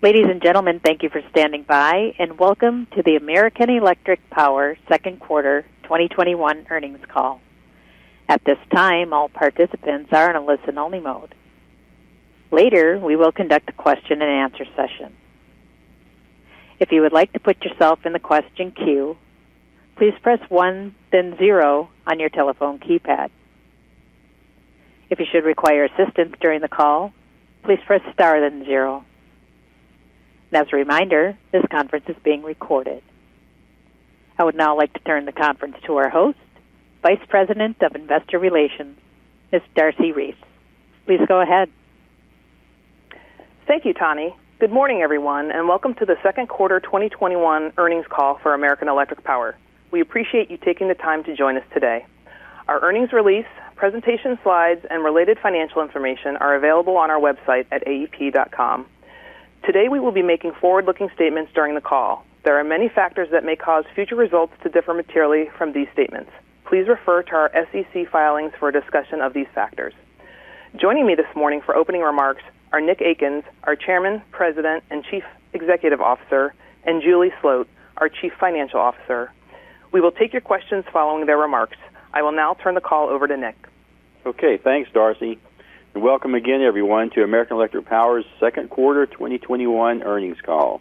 Ladies and gentlemen, thank you for standing by, and welcome to the American Electric Power Second Quarter 2021 Earnings Call. At this time, all participants are in a listen-only mode. Later, we will conduct a question and answer session. I would now like to turn the conference to our host, Vice President of Investor Relations, Miss Darcy Reese. Please go ahead. Thank you, Tony. Good morning, everyone, and welcome to the second quarter 2021 earnings call for American Electric Power. We appreciate you taking the time to join us today. Our earnings release, presentation slides, and related financial information are available on our website at aep.com. Today, we will be making forward-looking statements during the call. There are many factors that may cause future results to differ materially from these statements. Please refer to our SEC filings for a discussion of these factors. Joining me this morning for opening remarks are Nick Akins, our Chairman, President, and Chief Executive Officer, and Julie Sloat, our Chief Financial Officer. We will take your questions following their remarks. I will now turn the call over to Nick. Okay. Thanks, Darcy, and welcome again, everyone, to American Electric Power's second quarter 2021 earnings call.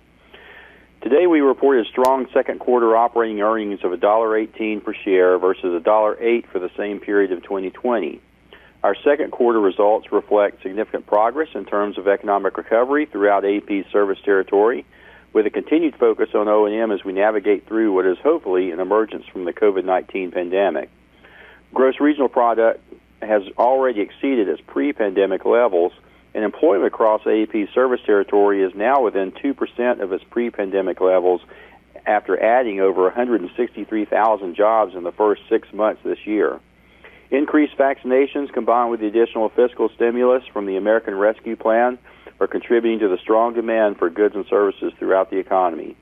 Today, we report a strong second quarter operating earnings of $1.18 per share versus $1.08 for the same period of 2020. Our second quarter results reflect significant progress in terms of economic recovery throughout AEP's service territory, with a continued focus on O&M as we navigate through what is hopefully an emergence from the COVID-19 pandemic. Gross regional product has already exceeded its pre-pandemic levels, and employment across AEP's service territory is now within 2% of its pre-pandemic levels after adding over 163,000 jobs in the first six months this year. Increased vaccinations combined with the additional fiscal stimulus from the American Rescue Plan are contributing to the strong demand for goods and services throughout the economy.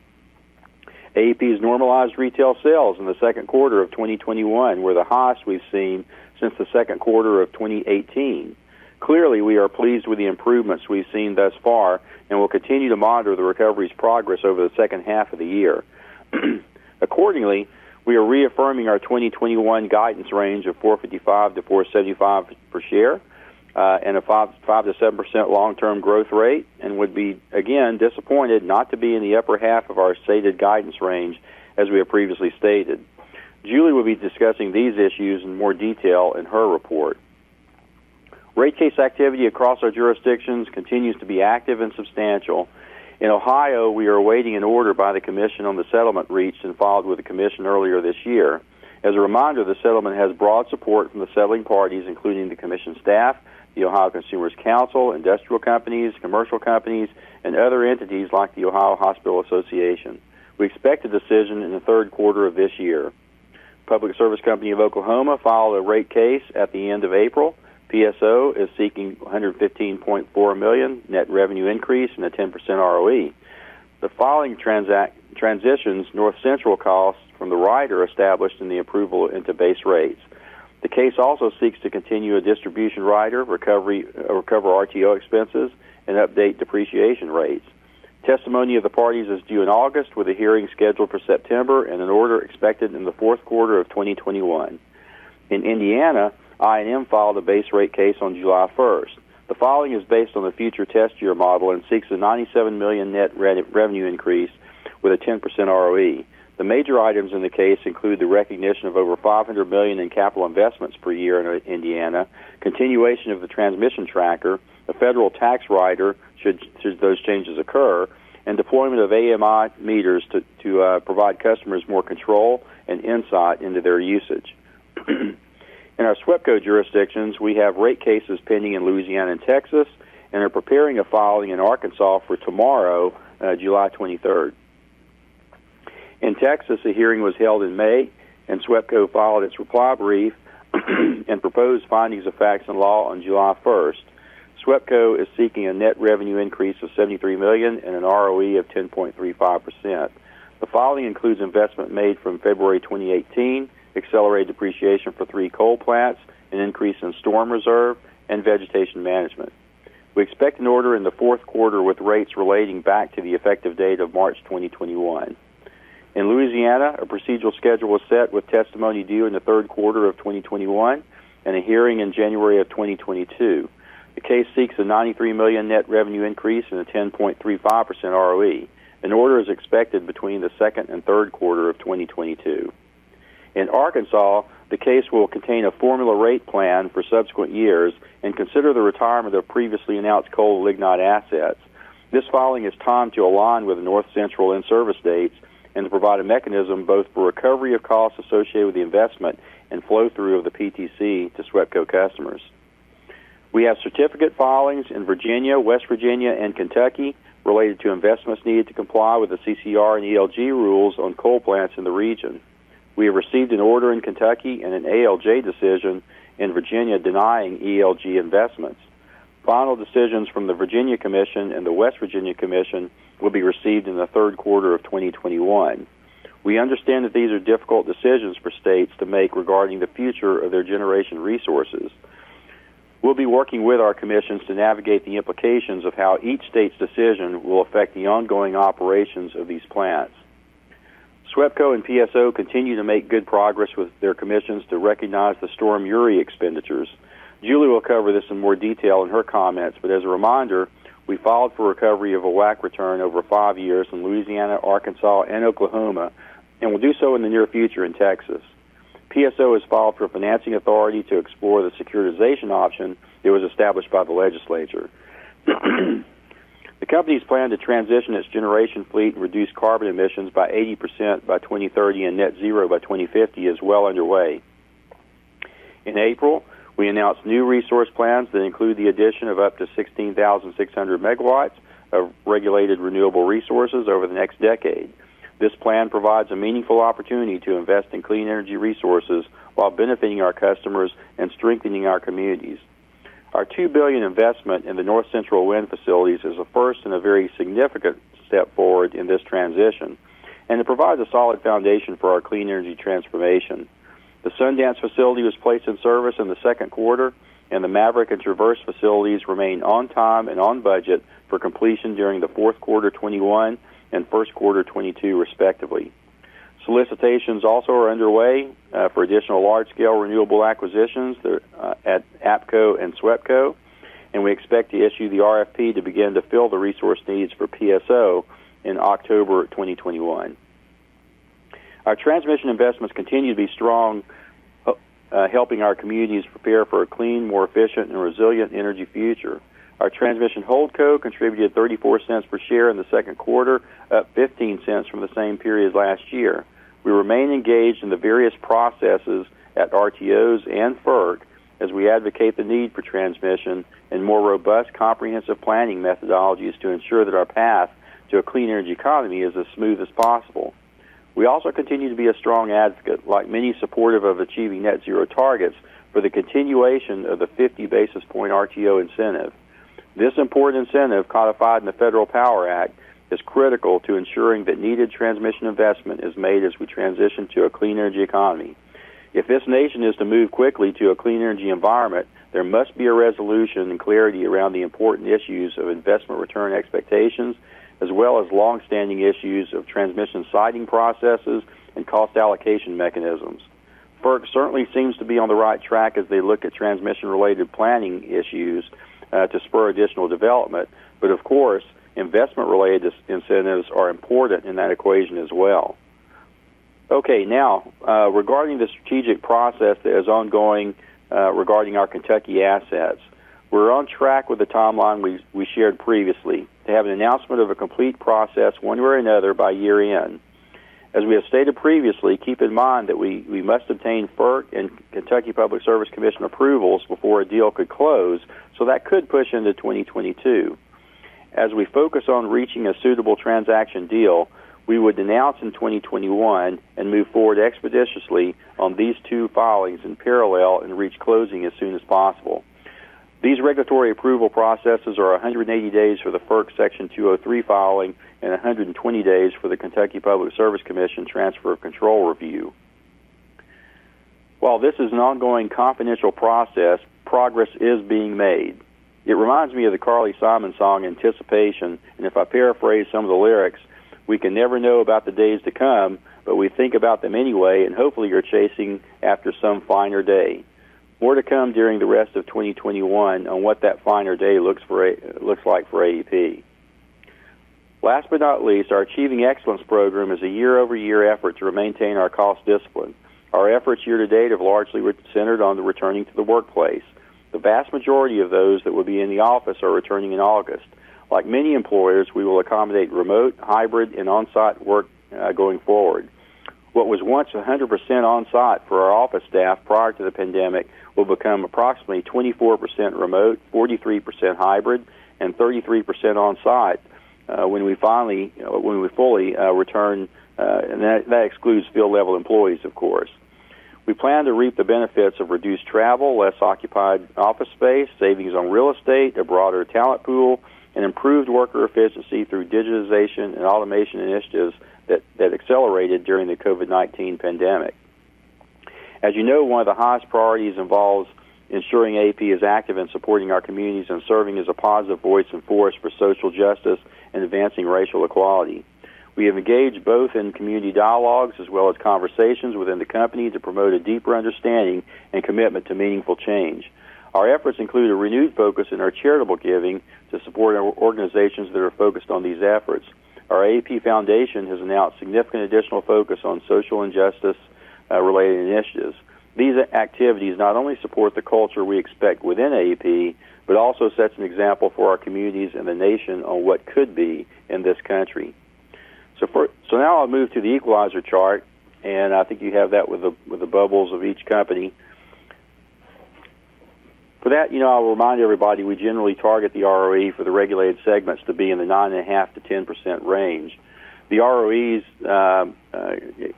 AEP's normalized retail sales in the second quarter of 2021 were the highest we've seen since the second quarter of 2018. Clearly, we are pleased with the improvements we've seen thus far and will continue to monitor the recovery's progress over the second half of the year. Accordingly, we are reaffirming our 2021 guidance range of $4.55-$4.75 per share, and a 5%-7% long-term growth rate and would be, again, disappointed not to be in the upper half of our stated guidance range as we have previously stated. Julie will be discussing these issues in more detail in her report. Rate case activity across our jurisdictions continues to be active and substantial. In Ohio, we are awaiting an order by the commission on the settlement reached and filed with the commission earlier this year. As a reminder, the settlement has broad support from the settling parties, including the commission staff, the Ohio Consumers' Counsel, industrial companies, commercial companies, and other entities like the Ohio Hospital Association. We expect a decision in the third quarter of this year. Public Service Company of Oklahoma filed a rate case at the end of April. PSO is seeking $115.4 million net revenue increase and a 10% ROE. The following transitions North Central costs from the rider established in the approval into base rates. The case also seeks to continue a distribution rider, recover RTO expenses, and update depreciation rates. Testimony of the parties is due in August with a hearing scheduled for September and an order expected in the fourth quarter of 2021. In Indiana, I&M filed a base rate case on July 1st. The filing is based on the future test year model and seeks a $97 million net revenue increase with a 10% ROE. The major items in the case include the recognition of over $500 million in capital investments per year in Indiana, continuation of the transmission tracker, a federal tax rider should those changes occur, and deployment of AMI meters to provide customers more control and insight into their usage. In our SWEPCO jurisdictions, we have rate cases pending in Louisiana and Texas and are preparing a filing in Arkansas for tomorrow, July 23rd. In Texas, a hearing was held in May, and SWEPCO filed its reply brief and proposed findings of fact and law on July 1st. SWEPCO is seeking a net revenue increase of $73 million and an ROE of 10.35%. The filing includes investment made from February 2018, accelerated depreciation for three coal plants, an increase in storm reserve, and vegetation management. We expect an order in the fourth quarter with rates relating back to the effective date of March 2021. In Louisiana, a procedural schedule was set with testimony due in the third quarter of 2021 and a hearing in January of 2022. The case seeks a $93 million net revenue increase and a 10.35% ROE. An order is expected between the second and third quarter of 2022. In Arkansas, the case will contain a formula rate plan for subsequent years and consider the retirement of previously announced coal lignite assets. This filing is timed to align with North Central in-service dates and to provide a mechanism both for recovery of costs associated with the investment and flow-through of the PTC to SWEPCO customers. We have certificate filings in Virginia, West Virginia, and Kentucky related to investments needed to comply with the CCR and ELG rules on coal plants in the region. We received an order in Kentucky and an ALJ decision in Virginia denying ELG investments. Final decisions from the Virginia Commission and the West Virginia Commission will be received in the third quarter of 2021. We understand that these are difficult decisions for states to make regarding the future of their generation resources. We'll be working with our commissions to navigate the implications of how each state's decision will affect the ongoing operations of these plants. SWEPCO and PSO continue to make good progress with their commissions to recognize the Storm Uri expenditures. Julie will cover this in more detail in her comments. As a reminder, we filed for recovery of a WACC return over five years in Louisiana, Arkansas, and Oklahoma, and will do so in the near future in Texas. PSO has filed for financing authority to explore the securitization option. It was established by the legislature. The company's plan to transition its generation fleet and reduce carbon emissions by 80% by 2030 and net zero by 2050 is well underway. In April, we announced new resource plans that include the addition of up to 16,600 MW of regulated renewable resources over the next decade. This plan provides a meaningful opportunity to invest in clean energy resources while benefiting our customers and strengthening our communities. Our $2 billion investment in the North Central wind facilities is a first and a very significant step forward in this transition, and it provides a solid foundation for our clean energy transformation. The Sundance facility was placed in service in the second quarter, and the Maverick and Traverse facilities remain on time and on budget for completion during the fourth quarter 2021 and first quarter 2022, respectively. Solicitations also are underway for additional large-scale renewable acquisitions at APCO and SWEPCO, and we expect to issue the RFP to begin to fill the resource needs for PSO in October 2021. Our transmission investments continue to be strong, helping our communities prepare for a clean, more efficient, and resilient energy future. Our Transmission Holdco contributed $0.34 per share in the second quarter, up $0.15 from the same period last year. We remain engaged in the various processes at RTOs and FERC as we advocate the need for transmission and more robust comprehensive planning methodologies to ensure that our path to a clean energy economy is as smooth as possible. We also continue to be a strong advocate, like many, supportive of achieving net zero targets for the continuation of the 50 basis point RTO incentive. This important incentive, codified in the Federal Power Act, is critical to ensuring that needed transmission investment is made as we transition to a clean energy economy. If this nation is to move quickly to a clean energy environment, there must be a resolution and clarity around the important issues of investment return expectations, as well as longstanding issues of transmission siting processes and cost allocation mechanisms. FERC certainly seems to be on the right track as they look at transmission-related planning issues to spur additional development, of course, investment-related incentives are important in that equation as well. Regarding the strategic process that is ongoing regarding our Kentucky assets. We're on track with the timeline we shared previously to have an announcement of a complete process, one way or another, by year-end. As we have stated previously, keep in mind that we must obtain FERC and Kentucky Public Service Commission approvals before a deal could close, that could push into 2022. As we focus on reaching a suitable transaction deal, we would announce in 2021 and move forward expeditiously on these two filings in parallel and reach closing as soon as possible. These regulatory approval processes are 180 days for the FERC Section 203 filing and 120 days for the Kentucky Public Service Commission transfer of control review. While this is an ongoing confidential process, progress is being made. It reminds me of the Carly Simon song, "Anticipation," and if I paraphrase some of the lyrics, we can never know about the days to come, but we think about them anyway, and hopefully you're chasing after some finer day. More to come during the rest of 2021 on what that finer day looks like for AEP. Last but not least, our Achieving Excellence Program is a year-over-year effort to maintain our cost discipline. Our efforts year to date have largely centered on the returning to the workplace. The vast majority of those that will be in the office are returning in August. Like many employers, we will accommodate remote, hybrid, and on-site work going forward. What was once 100% on-site for our office staff prior to the pandemic will become approximately 24% remote, 43% hybrid, and 33% on-site when we fully return, and that excludes field-level employees, of course. We plan to reap the benefits of reduced travel, less occupied office space, savings on real estate, a broader talent pool, and improved worker efficiency through digitization and automation initiatives that accelerated during the COVID-19 pandemic. As you know, one of the highest priorities involves ensuring AEP is active in supporting our communities and serving as a positive voice and force for social justice and advancing racial equality. We have engaged both in community dialogues as well as conversations within the company to promote a deeper understanding and commitment to meaningful change. Our efforts include a renewed focus in our charitable giving to support organizations that are focused on these efforts. Our AEP Foundation has announced significant additional focus on social injustice-related initiatives. These activities not only support the culture we expect within AEP, but also sets an example for our communities and the nation on what could be in this country. Now I'll move to the equalizer chart, and I think you have that with the bubbles of each company. For that, I will remind everybody, we generally target the ROE for the regulated segments to be in the 9.5%-10% range. The ROEs,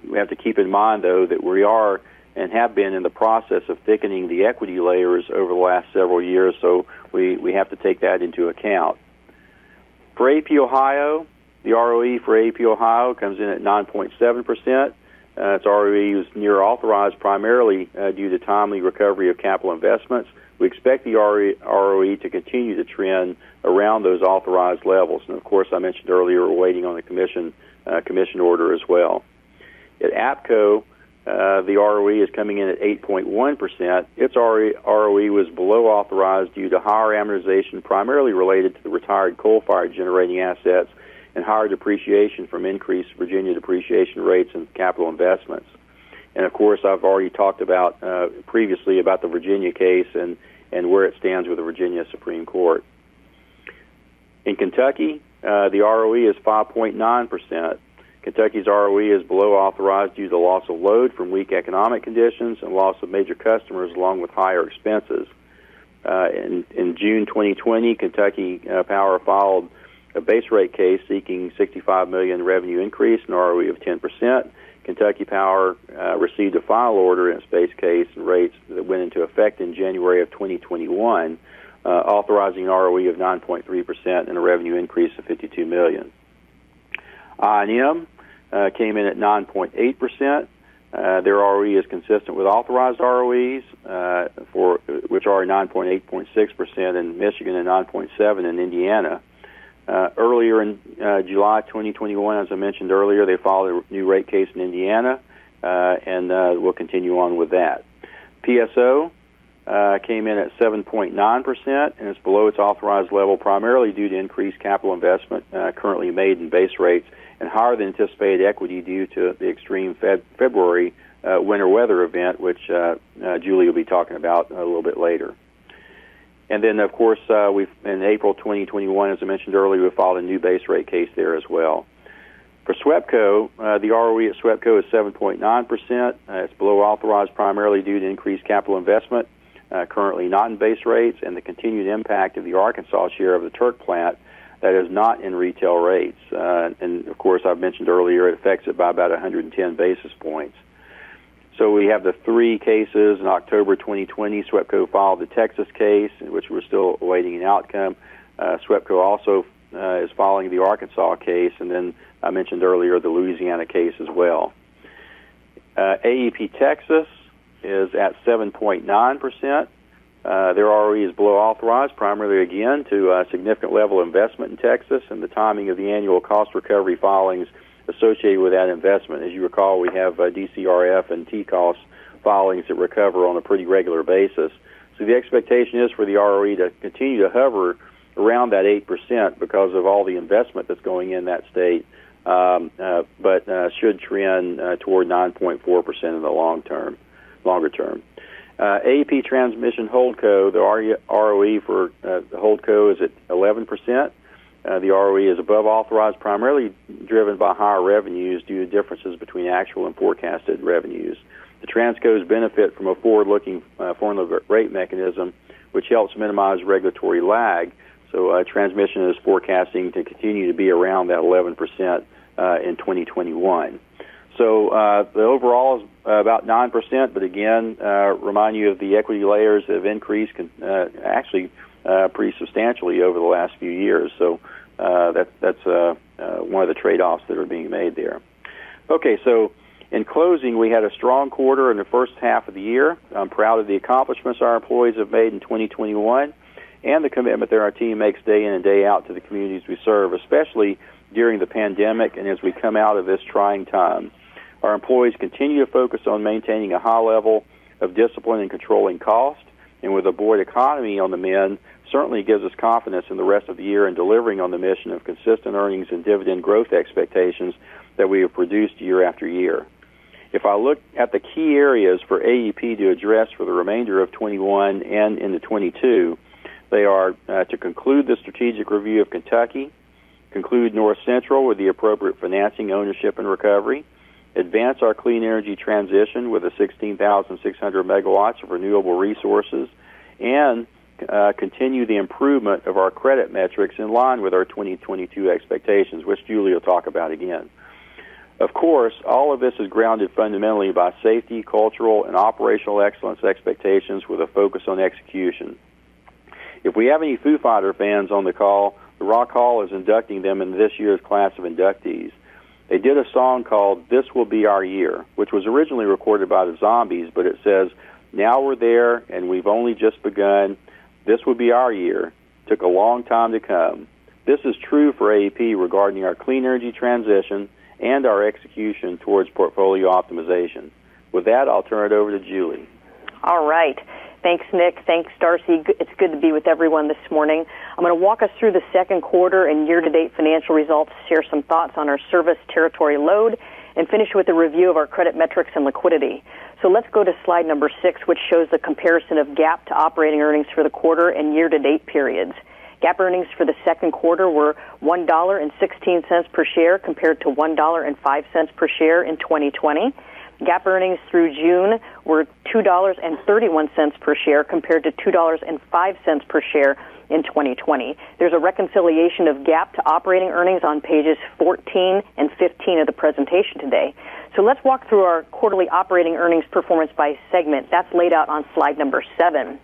we have to keep in mind, though, that we are and have been in the process of thickening the equity layers over the last several years, so we have to take that into account. For AEP Ohio, the ROE for AEP Ohio comes in at 9.7%. Its ROE is near authorized primarily due to timely recovery of capital investments. We expect the ROE to continue to trend around those authorized levels. Of course, I mentioned earlier, we're waiting on a Commission order as well. At APCO, the ROE is coming in at 8.1%. Its ROE was below authorized due to higher amortization primarily related to the retired coal-fired generating assets and higher depreciation from increased Virginia depreciation rates and capital investments. Of course, I've already talked previously about the Virginia case and where it stands with the Virginia Supreme Court. In Kentucky, the ROE is 5.9%. Kentucky's ROE is below authorized due to loss of load from weak economic conditions and loss of major customers, along with higher expenses. In June 2020, Kentucky Power filed a base rate case seeking a $65 million revenue increase and an ROE of 10%. Kentucky Power received a final order in its base case rates that went into effect in January of 2021, authorizing an ROE of 9.3% and a revenue increase of $52 million. I&M came in at 9.8%. Their ROE is consistent with authorized ROEs, which are 9.6% in Michigan and 9.7% in Indiana. Earlier in July 2021, as I mentioned earlier, they filed a new rate case in Indiana, we'll continue on with that. PSO came in at 7.9%, it's below its authorized level, primarily due to increased capital investment currently made in base rates and higher than anticipated equity due to the extreme February winter weather event, which Julie will be talking about a little bit later. Of course, in April 2021, as I mentioned earlier, we filed a new base rate case there as well. For SWEPCO, the ROE at SWEPCO is 7.9%. It's below authorized, primarily due to increased capital investment currently not in base rates and the continued impact of the Arkansas share of the Turk Plant that is not in retail rates. Of course, I've mentioned earlier, it affects about 110 basis points. We have the three cases. In October 2020, SWEPCO filed a Texas case, which we're still awaiting an outcome. SWEPCO also is following the Arkansas case, and then I mentioned earlier the Louisiana case as well. AEP Texas is at 7.9%. Their ROE is below authorized, primarily again due to significant level of investment in Texas and the timing of the annual cost recovery filings associated with that investment. As you recall, we have DCRF and TCOS filings to recover on a pretty regular basis. The expectation is for the ROE to continue to hover around that 8% because of all the investment that's going in that state. Should trend toward 9.4% in the longer term. AEP Transmission Holdco, the ROE for the holdco is at 11%. The ROE is above authorized, primarily driven by higher revenues due to differences between actual and forecasted revenues. The Transcos benefit from a forward-looking form of rate mechanism, which helps minimize regulatory lag. Transmission is forecasting to continue to be around that 11% in 2021. The overall is about 9%, but again, remind you that the equity layers have increased actually pretty substantially over the last few years. That's one of the trade-offs that are being made there. Okay. In closing, we had a strong quarter in the first half of the year. I'm proud of the accomplishments our employees have made in 2021 and the commitment that our team makes day in and day out to the communities we serve, especially during the pandemic and as we come out of this trying time. Our employees continue to focus on maintaining a high level of discipline in controlling costs. With a broad economy on the mend, certainly gives us confidence in the rest of the year in delivering on the mission of consistent earnings and dividend growth expectations that we have produced year after year. If I look at the key areas for AEP to address for the remainder of 2021 and into 2022, they are to conclude the strategic review of Kentucky, conclude North Central with the appropriate financing, ownership, and recovery, advance our clean energy transition with a 16,600 MW of renewable resources, and continue the improvement of our credit metrics in line with our 2022 expectations, which Julie will talk about again. Of course, all of this is grounded fundamentally about safety, cultural, and operational excellence expectations with a focus on execution. If we have any Foo Fighters fans on the call, the Rock Hall is inducting them into this year's class of inductees. They did a song called "This Will Be Our Year," which was originally recorded by the Zombies, but it says, "Now we're there and we've only just begun. This will be our year. Took a long time to come." This is true for AEP regarding our clean energy transition and our execution towards portfolio optimization. With that, I'll turn it over to Julie. All right. Thanks, Nick. Thanks, Darcy. It's good to be with everyone this morning. I'm going to walk us through the second quarter and year-to-date financial results, share some thoughts on our service territory load, and finish with a review of our credit metrics and liquidity. Let's go to slide six, which shows the comparison of GAAP to operating earnings for the quarter and year-to-date periods. GAAP earnings for the second quarter were $1.16 per share compared to $1.05 per share in 2020. GAAP earnings through June were $2.31 per share compared to $2.05 per share in 2020. There's a reconciliation of GAAP to operating earnings on pages 14 and 15 of the presentation today. Let's walk through our quarterly operating earnings performance by segment. That's laid out on slide seven.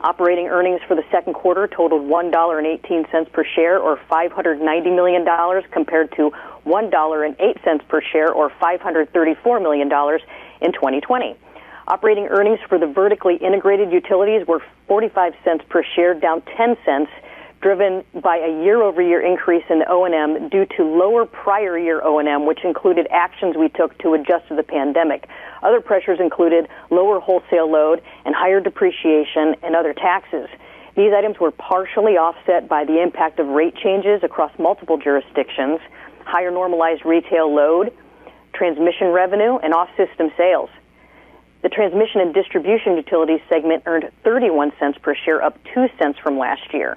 Operating earnings for the second quarter totaled $1.18 per share, or $590 million, compared to $1.08 per share or $534 million in 2020. Operating earnings for the vertically integrated utilities were $0.45 per share, down $0.10, driven by a year-over-year increase in O&M due to lower prior year O&M, which included actions we took to adjust to the pandemic. Other pressures included lower wholesale load and higher depreciation and other taxes. These items were partially offset by the impact of rate changes across multiple jurisdictions, higher normalized retail load, transmission revenue, and off-system sales. The transmission and distribution utility segment earned $0.31 per share, up $0.02 from last year.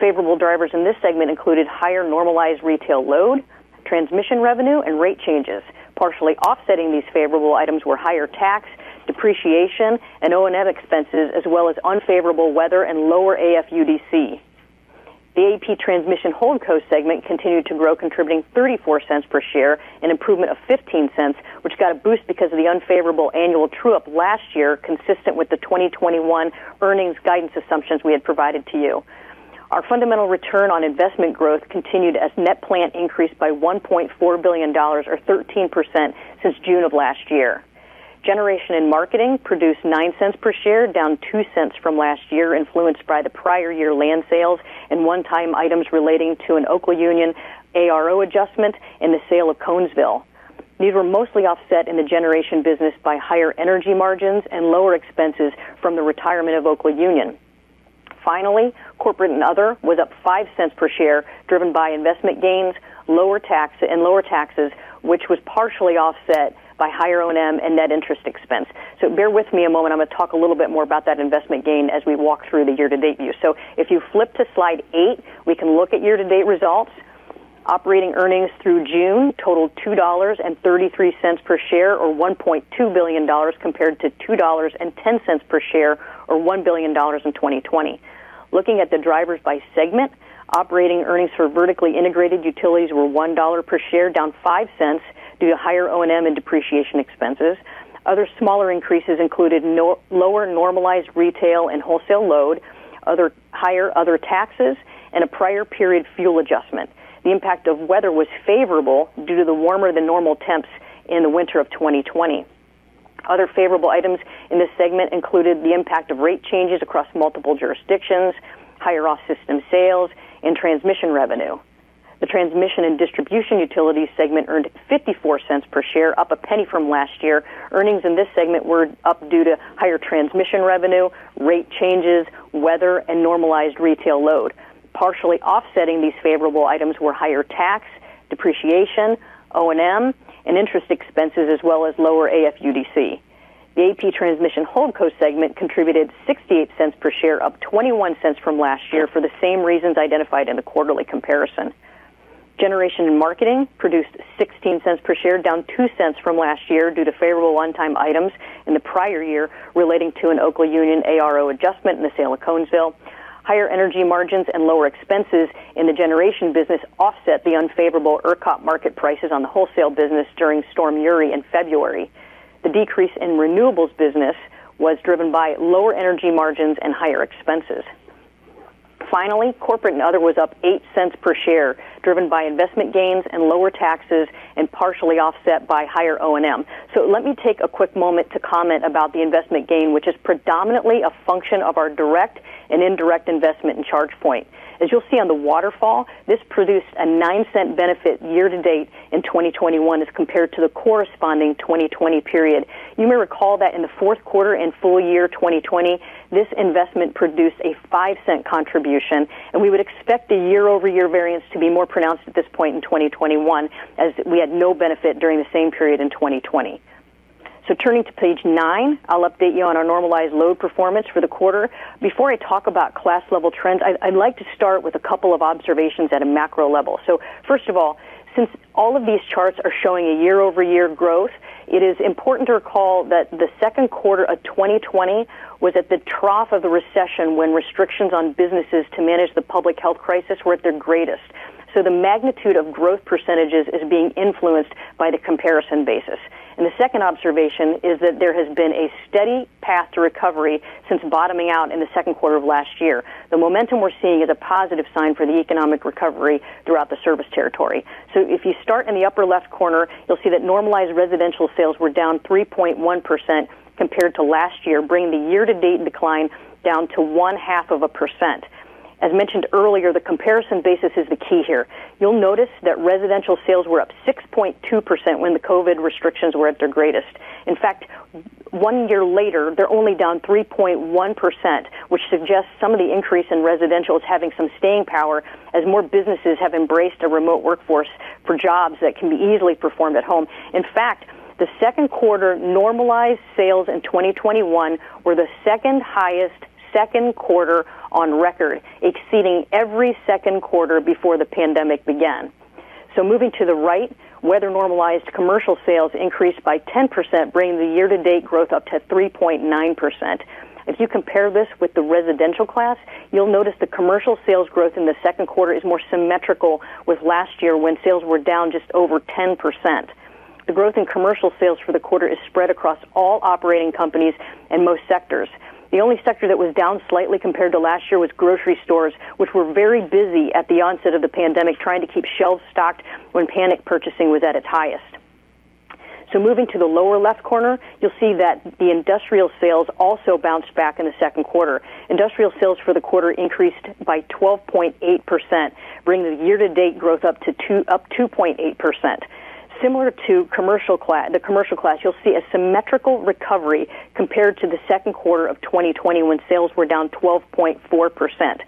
Favorable drivers in this segment included higher normalized retail load, transmission revenue, and rate changes. Partially offsetting these favorable items were higher tax, depreciation, and O&M expenses, as well as unfavorable weather and lower AFUDC. The AEP Transmission Holdco segment continued to grow, contributing $0.34 per share, an improvement of $0.15, which got a boost because of the unfavorable annual true-up last year, consistent with the 2021 earnings guidance assumptions we had provided to you. Our fundamental return on investment growth continued as net plant increased by $1.4 billion or 13% since June of last year. Generation and marketing produced $0.09 per share, down $0.02 from last year, influenced by the prior year land sales and one-time items relating to an Oklaunion ARO adjustment and the sale of Conesville. These were mostly offset in the generation business by higher energy margins and lower expenses from the retirement of Oklaunion. Finally, corporate and other was up $0.05 per share, driven by investment gains and lower taxes, which was partially offset by higher O&M and net interest expense. Bear with me a moment. I'm going to talk a little bit more about that investment gain as we walk through the year-to-date view. If you flip to slide eight, we can look at year-to-date results. Operating earnings through June totaled $2.33 per share or $1.2 billion, compared to $2.10 per share or $1 billion in 2020. Looking at the drivers by segment, operating earnings for vertically integrated utilities were $1 per share, down $0.05 due to higher O&M and depreciation expenses. Other smaller increases included lower normalized retail and wholesale load, higher other taxes, and a prior period fuel adjustment. The impact of weather was favorable due to the warmer-than-normal temps in the winter of 2020. Other favorable items in this segment included the impact of rate changes across multiple jurisdictions, higher off-system sales, and transmission revenue. The transmission and distribution utility segment earned $0.54 per share, up $0.01 from last year. Earnings in this segment were up due to higher transmission revenue, rate changes, weather, and normalized retail load. Partially offsetting these favorable items were higher tax, depreciation, O&M, and interest expenses, as well as lower AFUDC. The AEP Transmission Holdco segment contributed $0.68 per share, up $0.21 from last year for the same reasons identified in the quarterly comparison. Generation and marketing produced $0.16 per share, down $0.02 from last year due to favorable one-time items in the prior year relating to an Oklaunion ARO adjustment and the sale of Conesville. Higher energy margins and lower expenses in the generation business offset the unfavorable ERCOT market prices on the wholesale business during Storm Uri in February. The decrease in renewables business was driven by lower energy margins and higher expenses. Corporate and other was up $0.08 per share, driven by investment gains and lower taxes, and partially offset by higher O&M. Let me take a quick moment to comment about the investment gain, which is predominantly a function of our direct and indirect investment in ChargePoint. As you'll see on the waterfall, this produced a $0.09 benefit year-to-date in 2021 as compared to the corresponding 2020 period. You may recall that in the fourth quarter and full year 2020, this investment produced a $0.05 contribution, and we would expect the year-over-year variance to be more pronounced at this point in 2021, as we had no benefit during the same period in 2020. Turning to page nine, I'll update you on our normalized load performance for the quarter. Before I talk about class-level trends, I'd like to start with a couple of observations at a macro level. First of all, since all of these charts are showing a year-over-year growth, it is important to recall that the second quarter of 2020 was at the trough of the recession when restrictions on businesses to manage the public health crisis were at their greatest. The second observation is that there has been a steady path to recovery since bottoming out in the second quarter of last year. The momentum we're seeing is a positive sign for the economic recovery throughout the service territory. If you start in the upper left corner, you'll see that normalized residential sales were down 3.1% compared to last year, bringing the year-to-date decline down to 0.5%. As mentioned earlier, the comparison basis is the key here. You'll notice that residential sales were up 6.2% when the COVID restrictions were at their greatest. In fact, one year later, they're only down 3.1%, which suggests some of the increase in residential is having some staying power as more businesses have embraced a remote workforce for jobs that can be easily performed at home. In fact, the second quarter normalized sales in 2021 were the second highest second quarter on record, exceeding every second quarter before the pandemic began. Moving to the right, weather-normalized commercial sales increased by 10%, bringing the year-to-date growth up to 3.9%. If you compare this with the residential class, you'll notice the commercial sales growth in the second quarter is more symmetrical with last year when sales were down just over 10%. The growth in commercial sales for the quarter is spread across all operating companies and most sectors. The only sector that was down slightly compared to last year was grocery stores, which were very busy at the onset of the pandemic, trying to keep shelves stocked when panic purchasing was at its highest. Moving to the lower-left corner, you'll see that the industrial sales also bounced back in the second quarter. Industrial sales for the quarter increased by 12.8%, bringing the year-to-date growth up 2.8%. Similar to the commercial class, you'll see a symmetrical recovery compared to the second quarter of 2020, when sales were down 12.4%.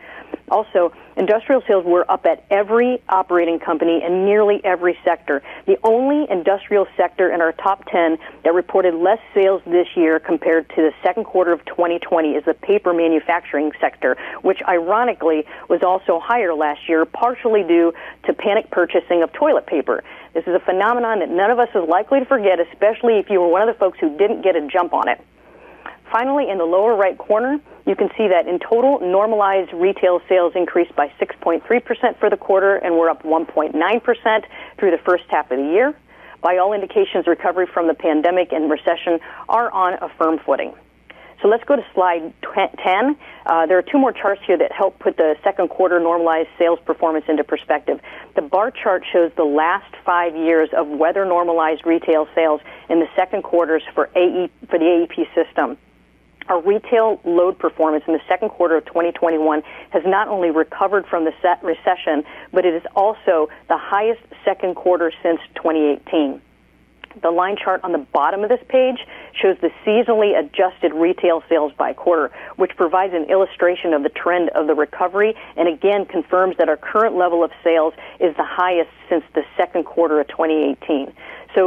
Industrial sales were up at every operating company and nearly every sector. The only industrial sector in our top 10 that reported less sales this year compared to the second quarter of 2020 is the paper manufacturing sector, which ironically was also higher last year, partially due to panic purchasing of toilet paper. This is a phenomenon that none of us are likely to forget, especially if you were one of the folks who didn't get a jump on it. Finally, in the lower-right corner, you can see that in total, normalized retail sales increased by 6.3% for the quarter, and we're up 1.9% through the first half of the year. By all indications, recovery from the pandemic and recession are on a firm footing. Let's go to slide 10. There are two more charts here that help put the second quarter normalized sales performance into perspective. The bar chart shows the last five years of weather-normalized retail sales in the second quarters for the AEP system. Our retail load performance in the second quarter of 2021 has not only recovered from the recession, but it is also the highest second quarter since 2018. The line chart on the bottom of this page shows the seasonally adjusted retail sales by quarter, which provides an illustration of the trend of the recovery, and again, confirms that our current level of sales is the highest since the second quarter of 2018.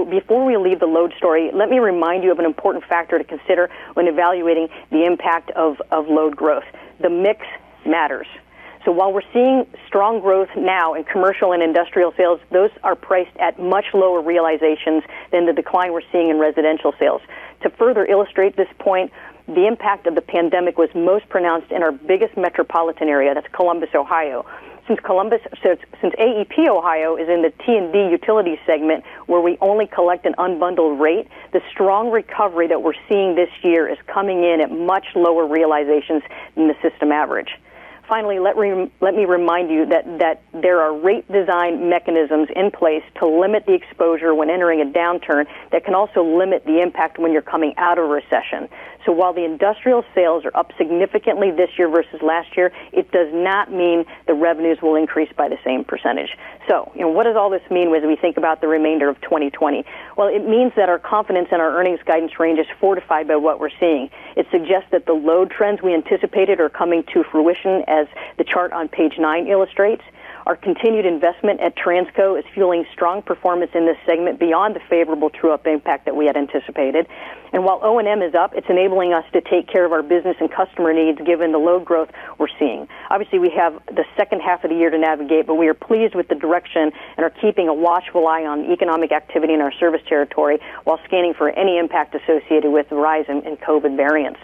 Before we leave the load story, let me remind you of an important factor to consider when evaluating the impact of load growth. The mix matters. While we're seeing strong growth now in commercial and industrial sales, those are priced at much lower realizations than the decline we're seeing in residential sales. To further illustrate this point, the impact of the pandemic was most pronounced in our biggest metropolitan area. That's Columbus, Ohio. Since AEP Ohio is in the T&D utility segment, where we only collect an unbundled rate, the strong recovery that we're seeing this year is coming in at much lower realizations than the system average. Let me remind you that there are rate design mechanisms in place to limit the exposure when entering a downturn that can also limit the impact when you're coming out of recession. While the industrial sales are up significantly this year versus last year, it does not mean the revenues will increase by the same percentage. What does all this mean when we think about the remainder of 2020? Well, it means that our confidence in our earnings guidance range is fortified by what we're seeing. It suggests that the load trends we anticipated are coming to fruition as the chart on page nine illustrates. Our continued investment at Transco is fueling strong performance in this segment beyond the favorable true-up impact that we had anticipated. While O&M is up, it's enabling us to take care of our business and customer needs given the load growth we're seeing. Obviously, we have the second half of the year to navigate, but we are pleased with the direction and are keeping a watchful eye on the economic activity in our service territory while scanning for any impact associated with the rise in COVID variants.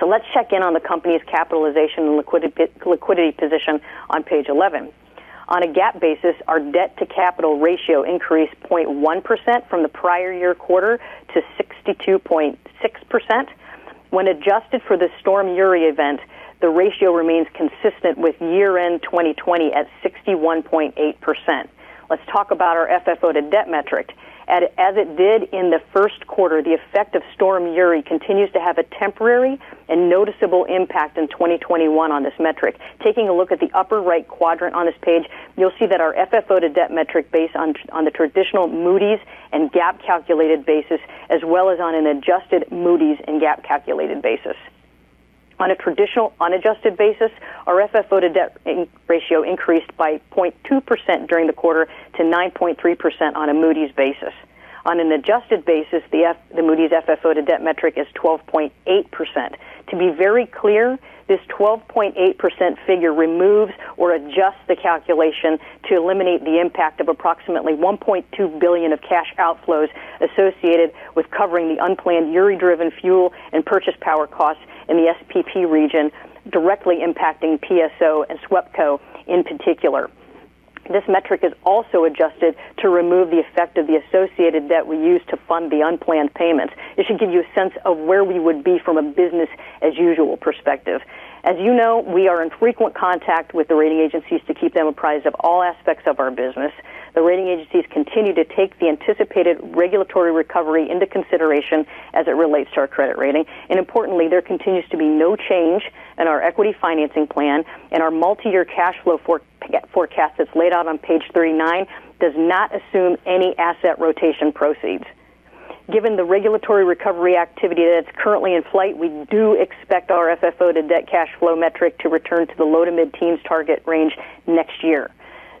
Let's check in on the company's capitalization and liquidity position on page 11. On a GAAP basis, our debt-to-capital ratio increased 0.1% from the prior year quarter to 62.6%. When adjusted for the Storm Uri event, the ratio remains consistent with year-end 2020 at 61.8%. Let's talk about our FFO-to-debt metric. As it did in the first quarter, the effect of Storm Uri continues to have a temporary and noticeable impact in 2021 on this metric. Taking a look at the upper-right quadrant on this page, you'll see that our FFO-to-debt metric based on the traditional Moody's and GAAP-calculated basis, as well as on an adjusted Moody's and GAAP-calculated basis. On a traditional unadjusted basis, our FFO-to-debt ratio increased by 0.2% during the quarter to 9.3% on a Moody's basis. On an adjusted basis, the Moody's FFO-to-debt metric is 12.8%. To be very clear, this 12.8% figure removes or adjusts the calculation to eliminate the impact of approximately $1.2 billion of cash outflows associated with covering the unplanned Uri-driven fuel and purchase power costs in the SPP region, directly impacting PSO and SWEPCO in particular. This metric is also adjusted to remove the effect of the associated debt we used to fund the unplanned payments. It should give you a sense of where we would be from a business as usual perspective. As you know, we are in frequent contact with the rating agencies to keep them apprised of all aspects of our business. The rating agencies continue to take the anticipated regulatory recovery into consideration as it relates to our credit rating. Importantly, there continues to be no change in our equity financing plan, and our multi-year cash flow forecast that's laid out on page 39 does not assume any asset rotation proceeds. Given the regulatory recovery activity that's currently in flight, we do expect our FFO-to-debt cash flow metric to return to the low-to-mid-teens target range next year.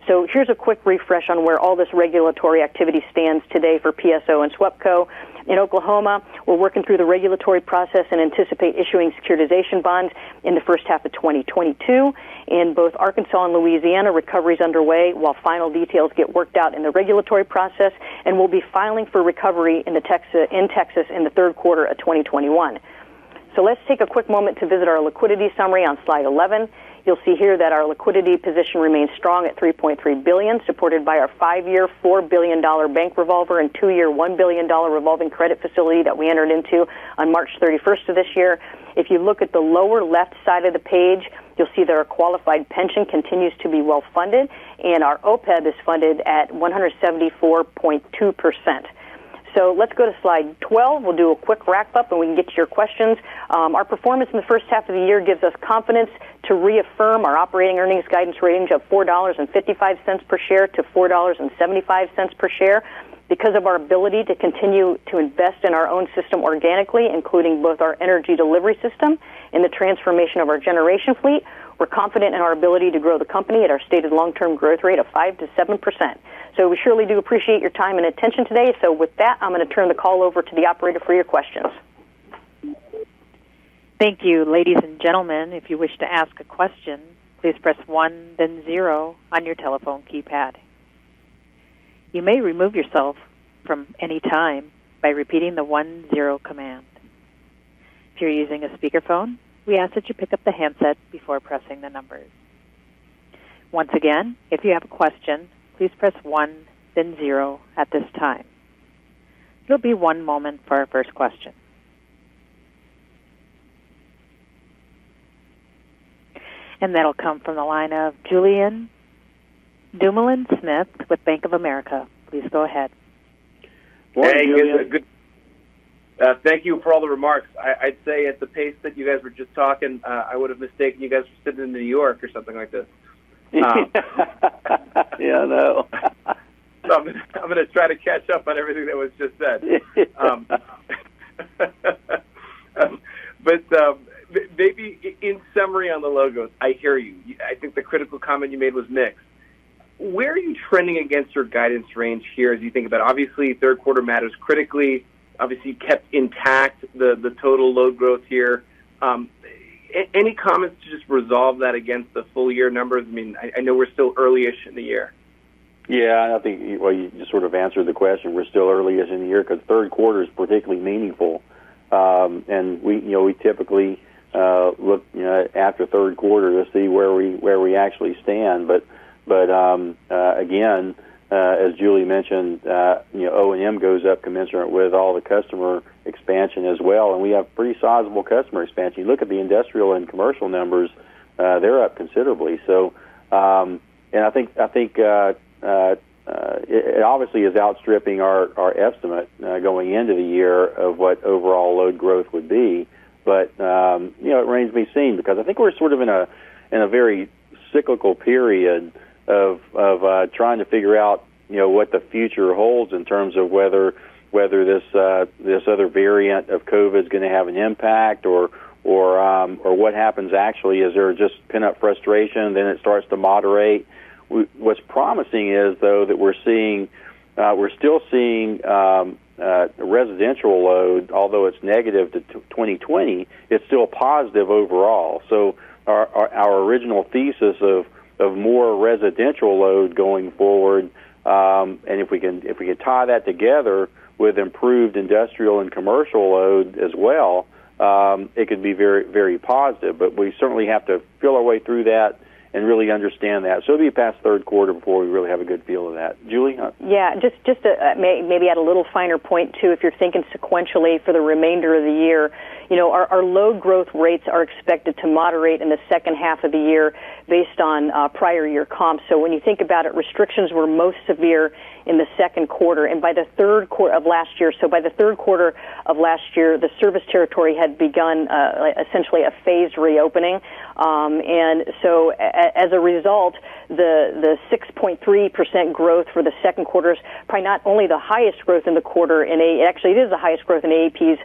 Here's a quick refresh on where all this regulatory activity stands today for PSO and SWEPCO. In Oklahoma, we're working through the regulatory process and anticipate issuing securitization bonds in the first half of 2022. In both Arkansas and Louisiana, recovery is underway while final details get worked out in the regulatory process, and we'll be filing for recovery in Texas in the third quarter of 2021. Let's take a quick moment to visit our liquidity summary on slide 11. You'll see here that our liquidity position remains strong at $3.3 billion, supported by our five-year, $4 billion bank revolver and two-year, $1 billion revolving credit facility that we entered into on March 31st of this year. If you look at the lower left side of the page, you'll see that our qualified pension continues to be well-funded, and our OPEB is funded at 174.2%. Let's go to slide 12. We'll do a quick wrap-up, and we can get to your questions. Our performance in the first half of the year gives us confidence to reaffirm our operating earnings guidance range of $4.55 per share to $4.75 per share. Because of our ability to continue to invest in our own system organically, including both our energy delivery system and the transformation of our generation fleet, we're confident in our ability to grow the company at our stated long-term growth rate of 5%-7%. We surely do appreciate your time and attention today. With that, I'm going to turn the call over to the operator for your questions. Thank you. Ladies and gentlemen, if you wish to ask a question, please press one then 0 on your telephone keypad. You may remove yourself from any time by repeating the 1-0 command. If you're using a speakerphone, we ask that you pick up the handset before pressing the numbers. Once again, if you have a question, please press one then 0 at this time. There'll be one moment for our first question. That'll come from the line of Julien Dumoulin-Smith with Bank of America. Please go ahead. Morning, Julien. Hey. Thank you for all the remarks. I'd say at the pace that you guys were just talking, I would've mistaken you guys for sitting in New York or something like this. Yeah, I know. I'm going to try to catch up on everything that was just said. Maybe in summary on the load growth, I hear you. I think the critical comment you made was mix. Where are you trending against your guidance range here as you think about, obviously, third quarter matters critically. Obviously, you kept intact the total load growth here. Any comment to just resolve that against the full-year numbers? I know we're still early-ish in the year. Well, you sort of answered the question. We're still early-ish in the year because third quarter is particularly meaningful. We typically look after third quarter to see where we actually stand. Again, as Julie mentioned, O&M goes up commensurate with all the customer expansion as well, and we have pretty sizable customer expansion. Look at the industrial and commercial numbers. They're up considerably. I think it obviously is outstripping our estimate going into the year of what overall load growth would be. It remains to be seen because I think we're sort of in a very cyclical period of trying to figure out what the future holds in terms of whether this other variant of COVID-19 is going to have an impact or what happens actually. Is there just pent-up frustration, then it starts to moderate? What's promising is, though, that we're still seeing residential load, although it's negative to 2020. It's still positive overall. Our original thesis of more residential load going forward, and if we could tie that together with improved industrial and commercial load as well, it could be very positive. We certainly have to feel our way through that and really understand that. It'll be past third quarter before we really have a good feel of that. Julie? Yeah. Just to maybe add a little finer point, too. If you're thinking sequentially for the remainder of the year, our load growth rates are expected to moderate in the second half of the year based on prior year comps. When you think about it, restrictions were most severe in the second quarter of last year. By the third quarter of last year, the service territory had begun essentially a phased reopening. As a result, the 6.3% growth for the second quarter is probably not only the highest growth in the quarter, actually, it is the highest growth in AEP's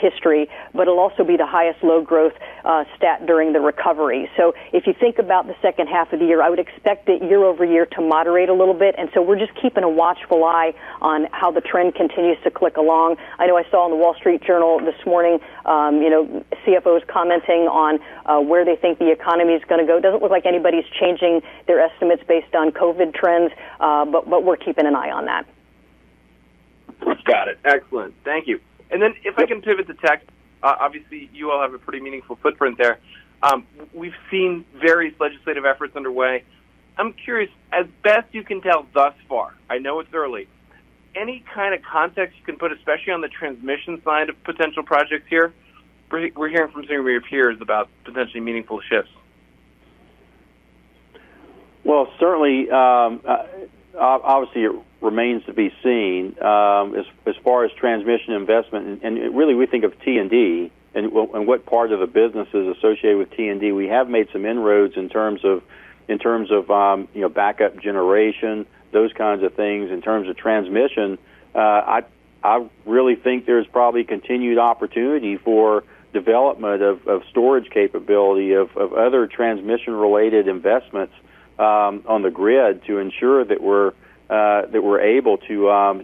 history, but it'll also be the highest load growth stat during the recovery. If you think about the second half of the year, I would expect it year-over-year to moderate a little bit. We're just keeping a watchful eye on how the trend continues to click along. I know I saw in the Wall Street Journal this morning CFOs commenting on where they think the economy's going to go. Doesn't look like anybody's changing their estimates based on COVID trends. We're keeping an eye on that. Got it. Excellent. Thank you. Yeah. If I can pivot to ERCOT, obviously you all have a pretty meaningful footprint there. We've seen various legislative efforts underway. I'm curious, as best you can tell thus far, I know it's early, any kind of context you can put, especially on the transmission side of potential projects here? We're hearing from various peers about potentially meaningful shifts. Certainly, obviously, it remains to be seen. As far as transmission investment, and really we think of T&D and what part of the business is associated with T&D. We have made some inroads in terms of backup generation, those kinds of things. In terms of transmission, I really think there's probably continued opportunity for development of storage capability, of other transmission-related investments on the grid to ensure that we're able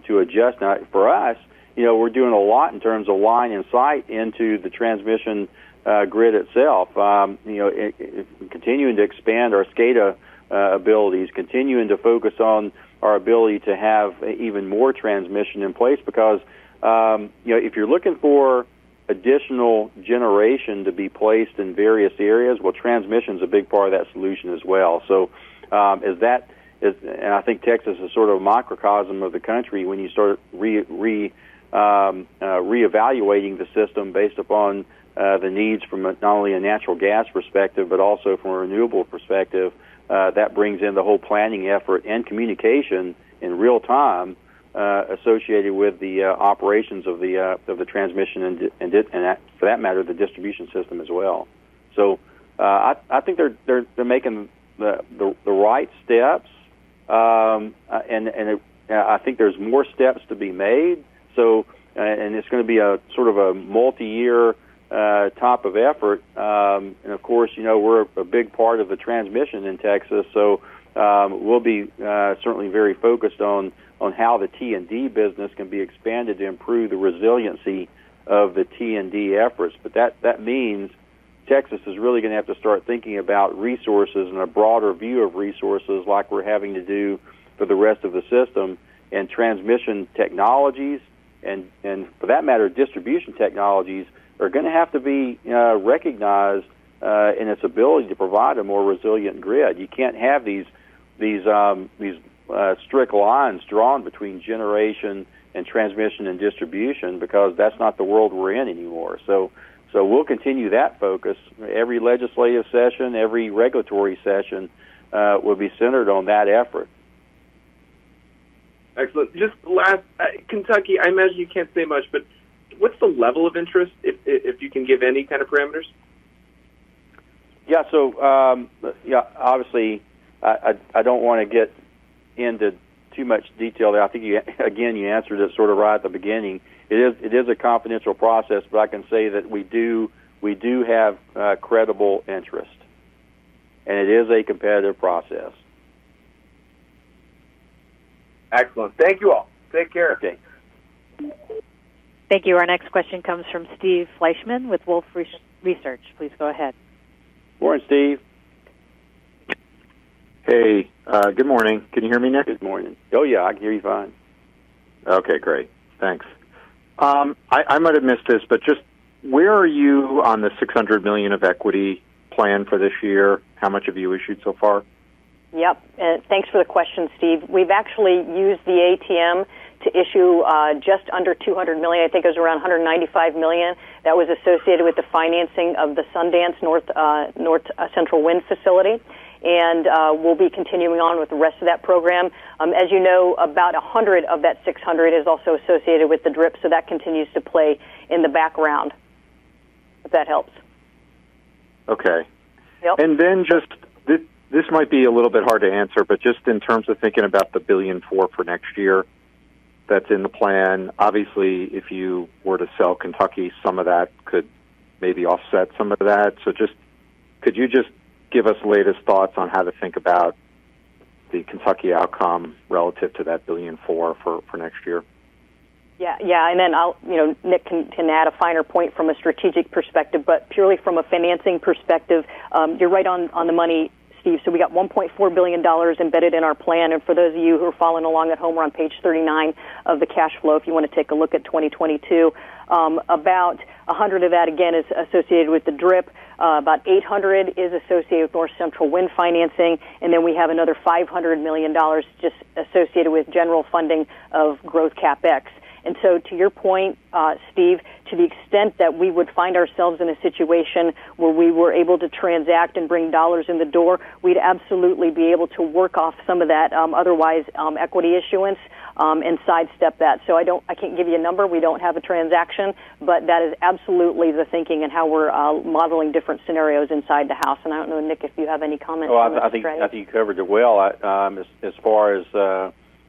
to adjust. For us, we're doing a lot in terms of line-of-sight into the transmission grid itself. Continuing to expand our SCADA abilities, continuing to focus on our ability to have even more transmission in place. Because if you're looking for additional generation to be placed in various areas, transmission's a big part of that solution as well. I think Texas is a sort of microcosm of the country when you start reevaluating the system based upon the needs from not only a natural gas perspective, but also from a renewable perspective. That brings in the whole planning effort and communication in real time associated with the operations of the transmission, and for that matter, the distribution system as well. I think they're making the right steps. I think there's more steps to be made, and it's going to be a multi-year type of effort. Of course, we're a big part of the transmission in Texas, so we'll be certainly very focused on how the T&D business can be expanded to improve the resiliency of the T&D efforts. That means Texas is really going to have to start thinking about resources and a broader view of resources like we're having to do for the rest of the system. Transmission technologies, and for that matter, distribution technologies, are going to have to be recognized in its ability to provide a more resilient grid. You can't have these strict lines drawn between generation and transmission and distribution, because that's not the world we're in anymore. We'll continue that focus. Every legislative session, every regulatory session will be centered on that effort. Excellent. Just last, Kentucky, I imagine you can't say much, but what's the level of interest, if you can give any kind of parameters? Yeah. Obviously, I don't want to get into too much detail. I think, again, you answered this right at the beginning. It is a confidential process, but I can say that we do have credible interest, and it is a competitive process. Excellent. Thank you all. Take care. Thanks. Thank you. Our next question comes from Steve Fleishman with Wolfe Research. Please go ahead. Morning, Steve. Hey, good morning. Can you hear me, Nick? Good morning. Oh, yeah. I can hear you fine. Okay, great. Thanks. Just where are you on the $600 million of equity plan for this year? How much have you issued so far? Yep. Thanks for the question, Steve. We've actually used the ATM to issue just under $200 million. I think it was around $195 million that was associated with the financing of the Sundance Wind Energy Center. We'll be continuing on with the rest of that program. As you know, about 100 of that 600 is also associated with the DRIP. That continues to play in the background, if that helps. Okay. Yep. Just, this might be a little bit hard to answer, but just in terms of thinking about the $1.4 billion for next year that's in the plan, obviously, if you were to sell Kentucky, some of that could maybe offset some of that. Could you just give us latest thoughts on how to think about the Kentucky outcome relative to that $1.4 billion for next year? Nick can add a finer point from a strategic perspective. Purely from a financing perspective, you're right on the money, Steve. We got $1.4 billion embedded in our plan. For those of you who are following along at home, we're on page 39 of the cash flow, if you want to take a look at 2022. About $100 million of that, again, is associated with the DRIP. About $800 million is associated with North Central Wind financing. Then we have another $500 million just associated with general funding of growth CapEx. To your point, Steve, to the extent that we would find ourselves in a situation where we were able to transact and bring dollars in the door, we'd absolutely be able to work off some of that otherwise equity issuance, and sidestep that. I can't give you a number. We don't have a transaction. That is absolutely the thinking in how we're modeling different scenarios inside the house. I don't know, Nick, if you have any comment on that strategy. No, I think you covered it well.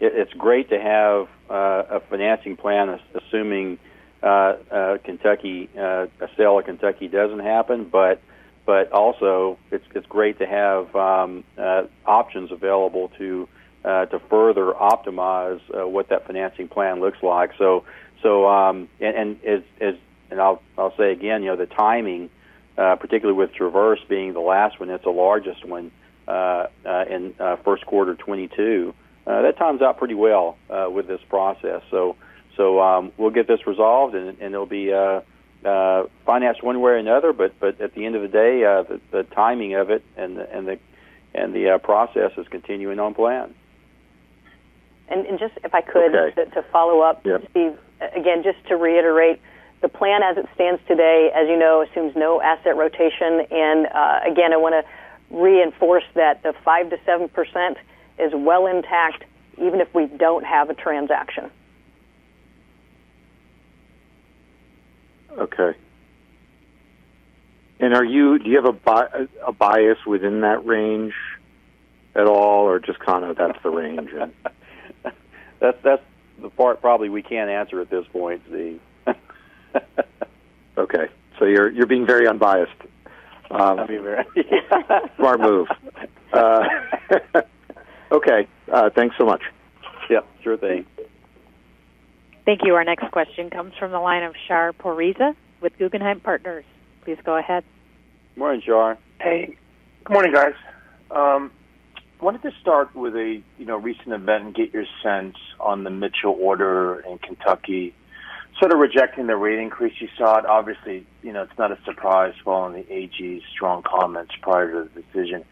It's great to have a financing plan, assuming a sale of Kentucky doesn't happen. Also, it's great to have options available to further optimize what that financing plan looks like. I'll say again, the timing, particularly with Traverse being the last one, it's the largest one, in first quarter 2022. That times out pretty well with this process. We'll get this resolved, and it'll be financed one way or another. At the end of the day, the timing of it and the process is continuing on plan. And just if I could- Okay just to follow up, Steve. Yeah. Just to reiterate, the plan as it stands today, you know, assumes no asset rotation. Again, I want to reinforce that the 5%-7% is well intact, even if we don't have a transaction. Okay. Do you have a bias within that range at all, or just kind of that's the range? That's the part probably we can't answer at this point, Steve. Okay. You're being very unbiased. I'm being very Smart move. Okay. Thanks so much. Yep. Sure thing. Thank you. Our next question comes from the line of Shar Pourreza with Guggenheim Partners. Please go ahead. Morning, Shar. Hey. Good morning, guys. Wanted to start with a recent event and get your sense on the Mitchell Order in Kentucky, sort of rejecting the rate increase you sought. Obviously, it's not a surprise following the AG's strong comments prior to the decision.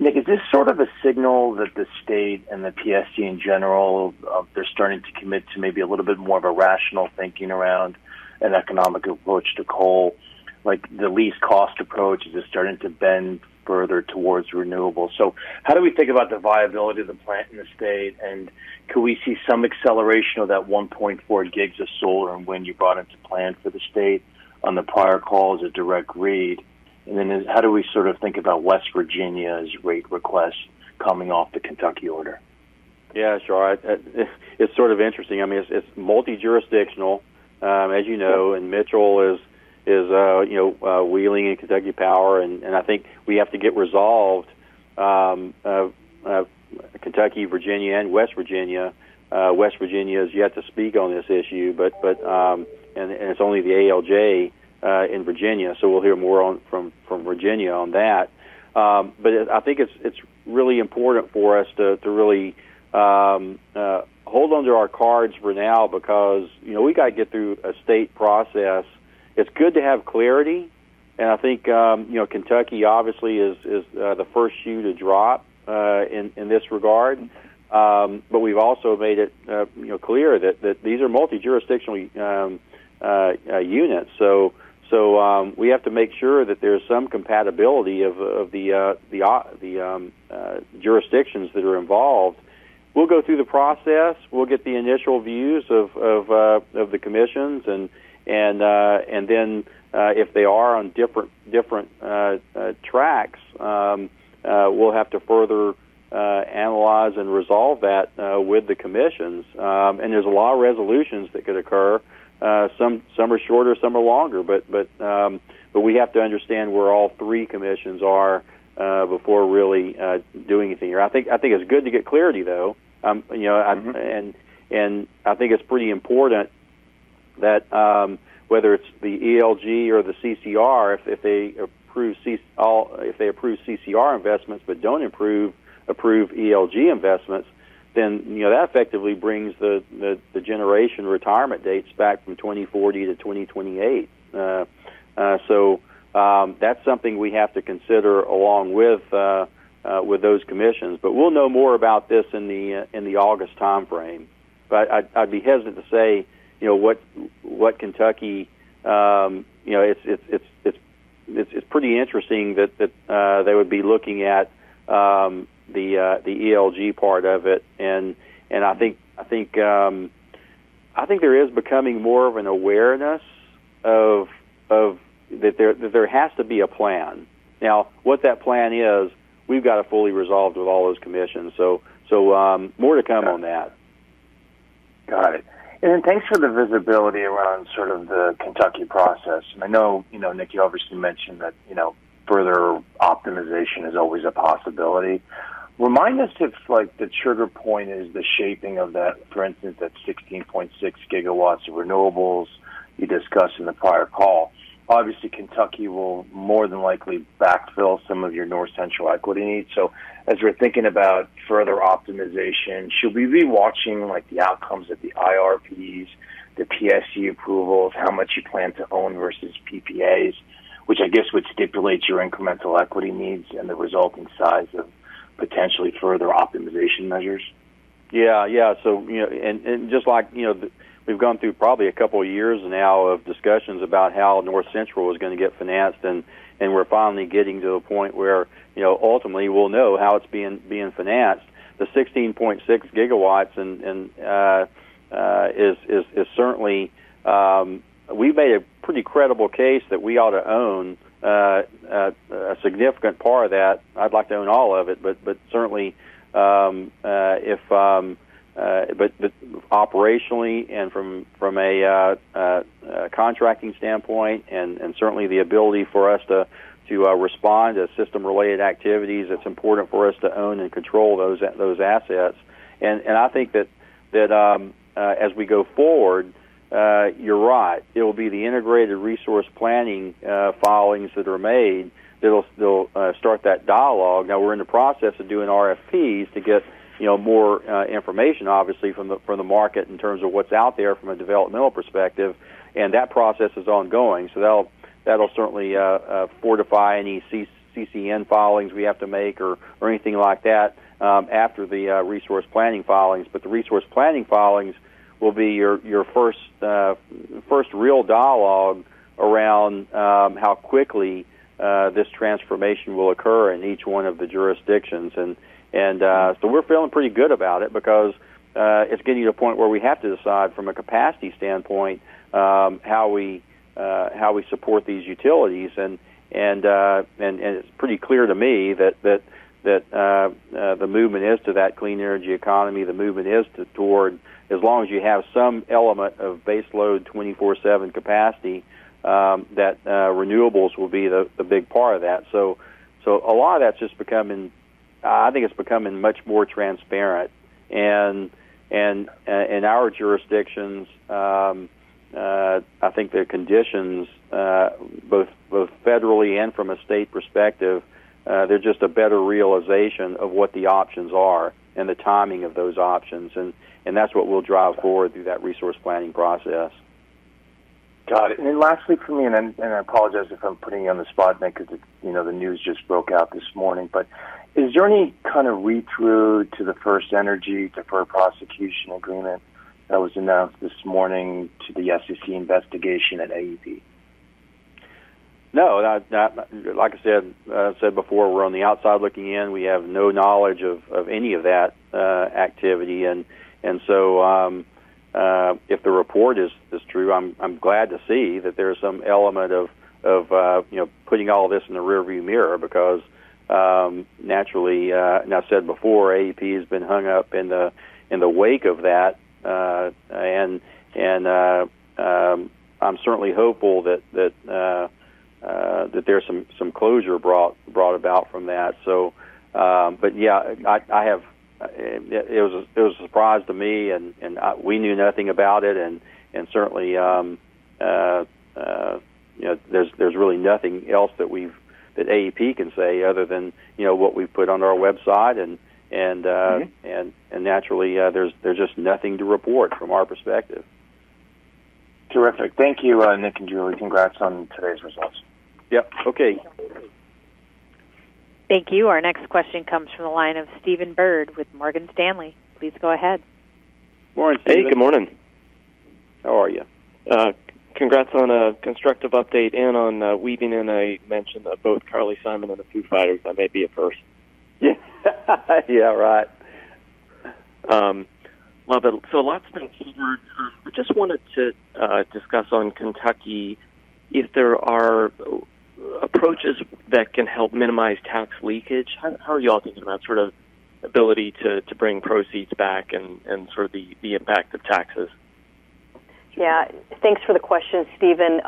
Nick, is this sort of a signal that the state and the PSC in general, they're starting to commit to maybe a little bit more of a rational thinking around an economic approach to coal? The least cost approach, is this starting to bend further towards renewables? How do we think about the viability of the plant in the state, and could we see some acceleration of that 1.4 GW of solar and wind you brought into plan for the state on the prior call as a direct read? How do we think about West Virginia's rate request coming off the Kentucky Order? Sure. It's sort of interesting. It's multi-jurisdictional, as you know, and Mitchell is Wheeling and Kentucky Power, and I think we have to get resolved Kentucky, Virginia, and West Virginia. West Virginia is yet to speak on this issue, and it's only the ALJ in Virginia, so we'll hear more from Virginia on that. I think it's really important for us to really hold onto our cards for now because we've got to get through a state process. It's good to have clarity, and I think Kentucky obviously is the first shoe to drop in this regard. We've also made it clear that these are multi-jurisdictionally units. We have to make sure that there's some compatibility of the jurisdictions that are involved. We'll go through the process. We'll get the initial views of the commissions, and then if they are on different tracks, we'll have to further analyze and resolve that with the commissions. There's a lot of resolutions that could occur. Some are shorter, some are longer. We have to understand where all three commissions are before really doing anything here. I think it's good to get clarity, though. I think it's pretty important that whether it's the ELG or the CCR, if they approve CCR investments but don't approve ELG investments, then that effectively brings the generation retirement dates back from 2040 to 2028. That's something we have to consider along with those commissions. We'll know more about this in the August time frame. I'd be hesitant to say what Kentucky. It's pretty interesting that they would be looking at the ELG part of it, and I think there is becoming more of an awareness that there has to be a plan. What that plan is, we've got to fully resolve with all those commissions. More to come on that. Got it. Thanks for the visibility around sort of the Kentucky process. I know, Nick, you obviously mentioned that further optimization is always a possibility. Remind us if the trigger point is the shaping of that, for instance, that 16.6 GW of renewables you discussed in the prior call. Obviously, Kentucky will more than likely backfill some of your North Central equity needs. As we're thinking about further optimization, should we be watching the outcomes of the IRPs, the PSC approval of how much you plan to own versus PPAs, which I guess would stipulate your incremental equity needs and the resulting size of potentially further optimization measures? Just like we've gone through probably a couple years now of discussions about how North Central is going to get financed, we're finally getting to a point where ultimately we'll know how it's being financed. The 16.6 GW is certainly. We've made a pretty credible case that we ought to own a significant part of that. I'd like to own all of it, certainly, operationally and from a contracting standpoint and certainly the ability for us to respond to system-related activities, it's important for us to own and control those assets. I think that as we go forward, you're right. It'll be the integrated resource planning filings that are made that'll start that dialogue. Now we're in the process of doing RFPs to get more information, obviously, from the market in terms of what's out there from a developmental perspective. That process is ongoing. That'll certainly fortify any CCN filings we have to make or anything like that after the resource planning filings. The resource planning filings will be your first real dialogue around how quickly this transformation will occur in each one of the jurisdictions. We're feeling pretty good about it because it's getting to a point where we have to decide from a capacity standpoint how we support these utilities. It's pretty clear to me that the movement into that clean energy economy, the movement is toward as long as you have some element of base load 24/7 capacity, that renewables will be the big part of that. A lot of that's just becoming, I think it's becoming much more transparent. Our jurisdictions, I think the conditions, both federally and from a state perspective, they're just a better realization of what the options are and the timing of those options. That's what we'll draw forward through that resource planning process. Got it. Lastly, [audio distortiion], I apologize if I'm putting you on the spot because the news just broke this morning. Is there any kind of relation to the FirstEnergy deferred prosecution agreement that was announced this morning to the SEC investigation at AEP? No. Like I said before, we're on the outside looking in. We have no knowledge of any of that activity. If the report is true, I'm glad to see that there's some element of putting all this in the rear-view mirror because naturally, and I've said before, AEP has been hung up. In the wake of that, and I'm certainly hopeful that there's some closure brought about from that. Yeah, it was a surprise to me, and we knew nothing about it. Certainly, there's really nothing else that AEP can say other than what we've put on our website. Okay. Naturally, there's just nothing to report from our perspective. Terrific. Thank you, Nick and Julie. Congrats on today's results. Yep. Okay. Thank you. Our next question comes from the line of Stephen Byrd with Morgan Stanley. Please go ahead. Morning, Stephen. Hey, good morning. How are you? Congrats on a constructive update and on weaving in a mention of both Carly Simon and. That may be a first. Yeah. Yeah, right. Lots of good keywords. I just wanted to discuss on Kentucky, if there are approaches that can help minimize tax leakage. How are you all thinking about sort of ability to bring proceeds back and sort of the impact of taxes? Thanks for the question, Stephen.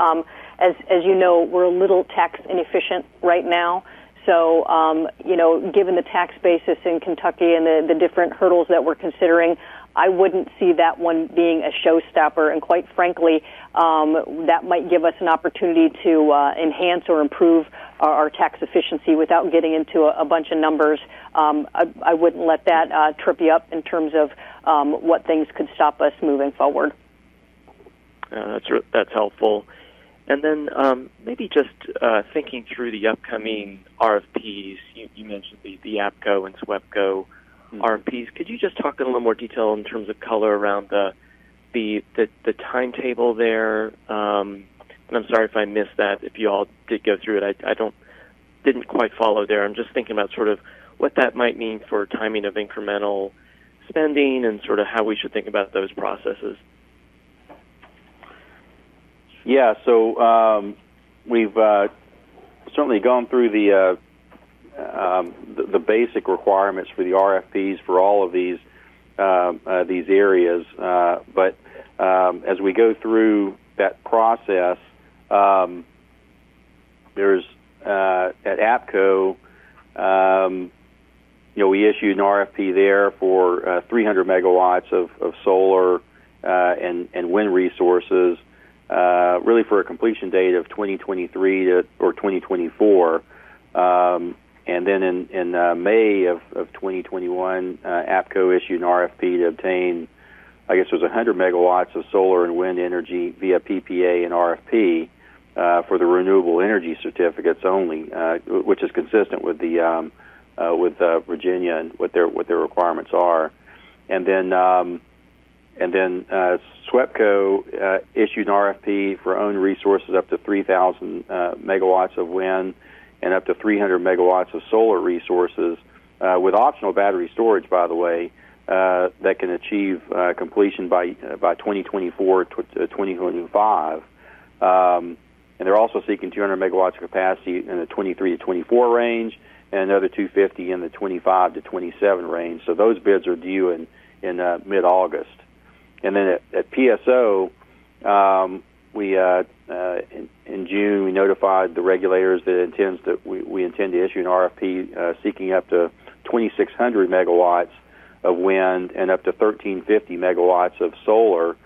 As you know, we're a little tax inefficient right now. Given the tax basis in Kentucky and the different hurdles that we're considering, I wouldn't see that one being a showstopper. Quite frankly, that might give us an opportunity to enhance or improve our tax efficiency without getting into a bunch of numbers. I wouldn't let that trip you up in terms of what things could stop us moving forward. That's helpful. Maybe just thinking through the upcoming RFPs. You mentioned the APCO and SWEPCO RFPs. Could you just talk in a little more detail in terms of color around the timetable there? I'm sorry if I missed that, if you all did go through it. I didn't quite follow there. I'm just thinking about sort of what that might mean for timing of incremental spending and sort of how we should think about those processes. We've certainly gone through the basic requirements for the RFPs for all of these areas. As we go through that process, at APCO, we issued an RFP there for 300 MW of solar and wind resources, really for a completion date of 2023 or 2024. In May of 2021, APCO issued an RFP to obtain, I guess it was 100 MW of solar and wind energy via PPA and RFP for the renewable energy certificates only, which is consistent with Virginia and what their requirements are. SWEPCO issued an RFP for own resources up to 3,000 MW of wind and up to 300 MW of solar resources with optional battery storage, by the way, that can achieve completion by 2024-2025. They're also seeking 200 MW capacity in the 2023-2024 range, and another 250 MW in the 2025-2027 range. Those bids are due in mid-August. At PSO, in June, we notified the regulators the intent that we intend to issue an RFP seeking up to 2,600 MW of wind and up to 1,350 MW of solar,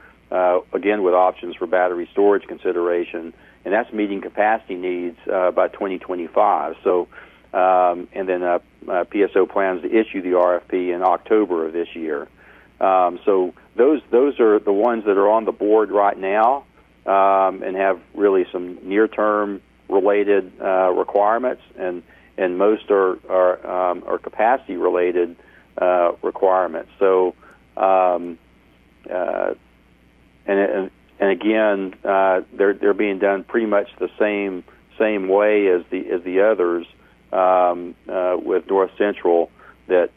again, with options for battery storage consideration. That's meeting capacity needs by 2025. PSO plans to issue the RFP in October of this year. Those are the ones that are on the board right now and have really some near-term related requirements and most are capacity-related requirements. Again, they're being done pretty much the same way as the others with North Central that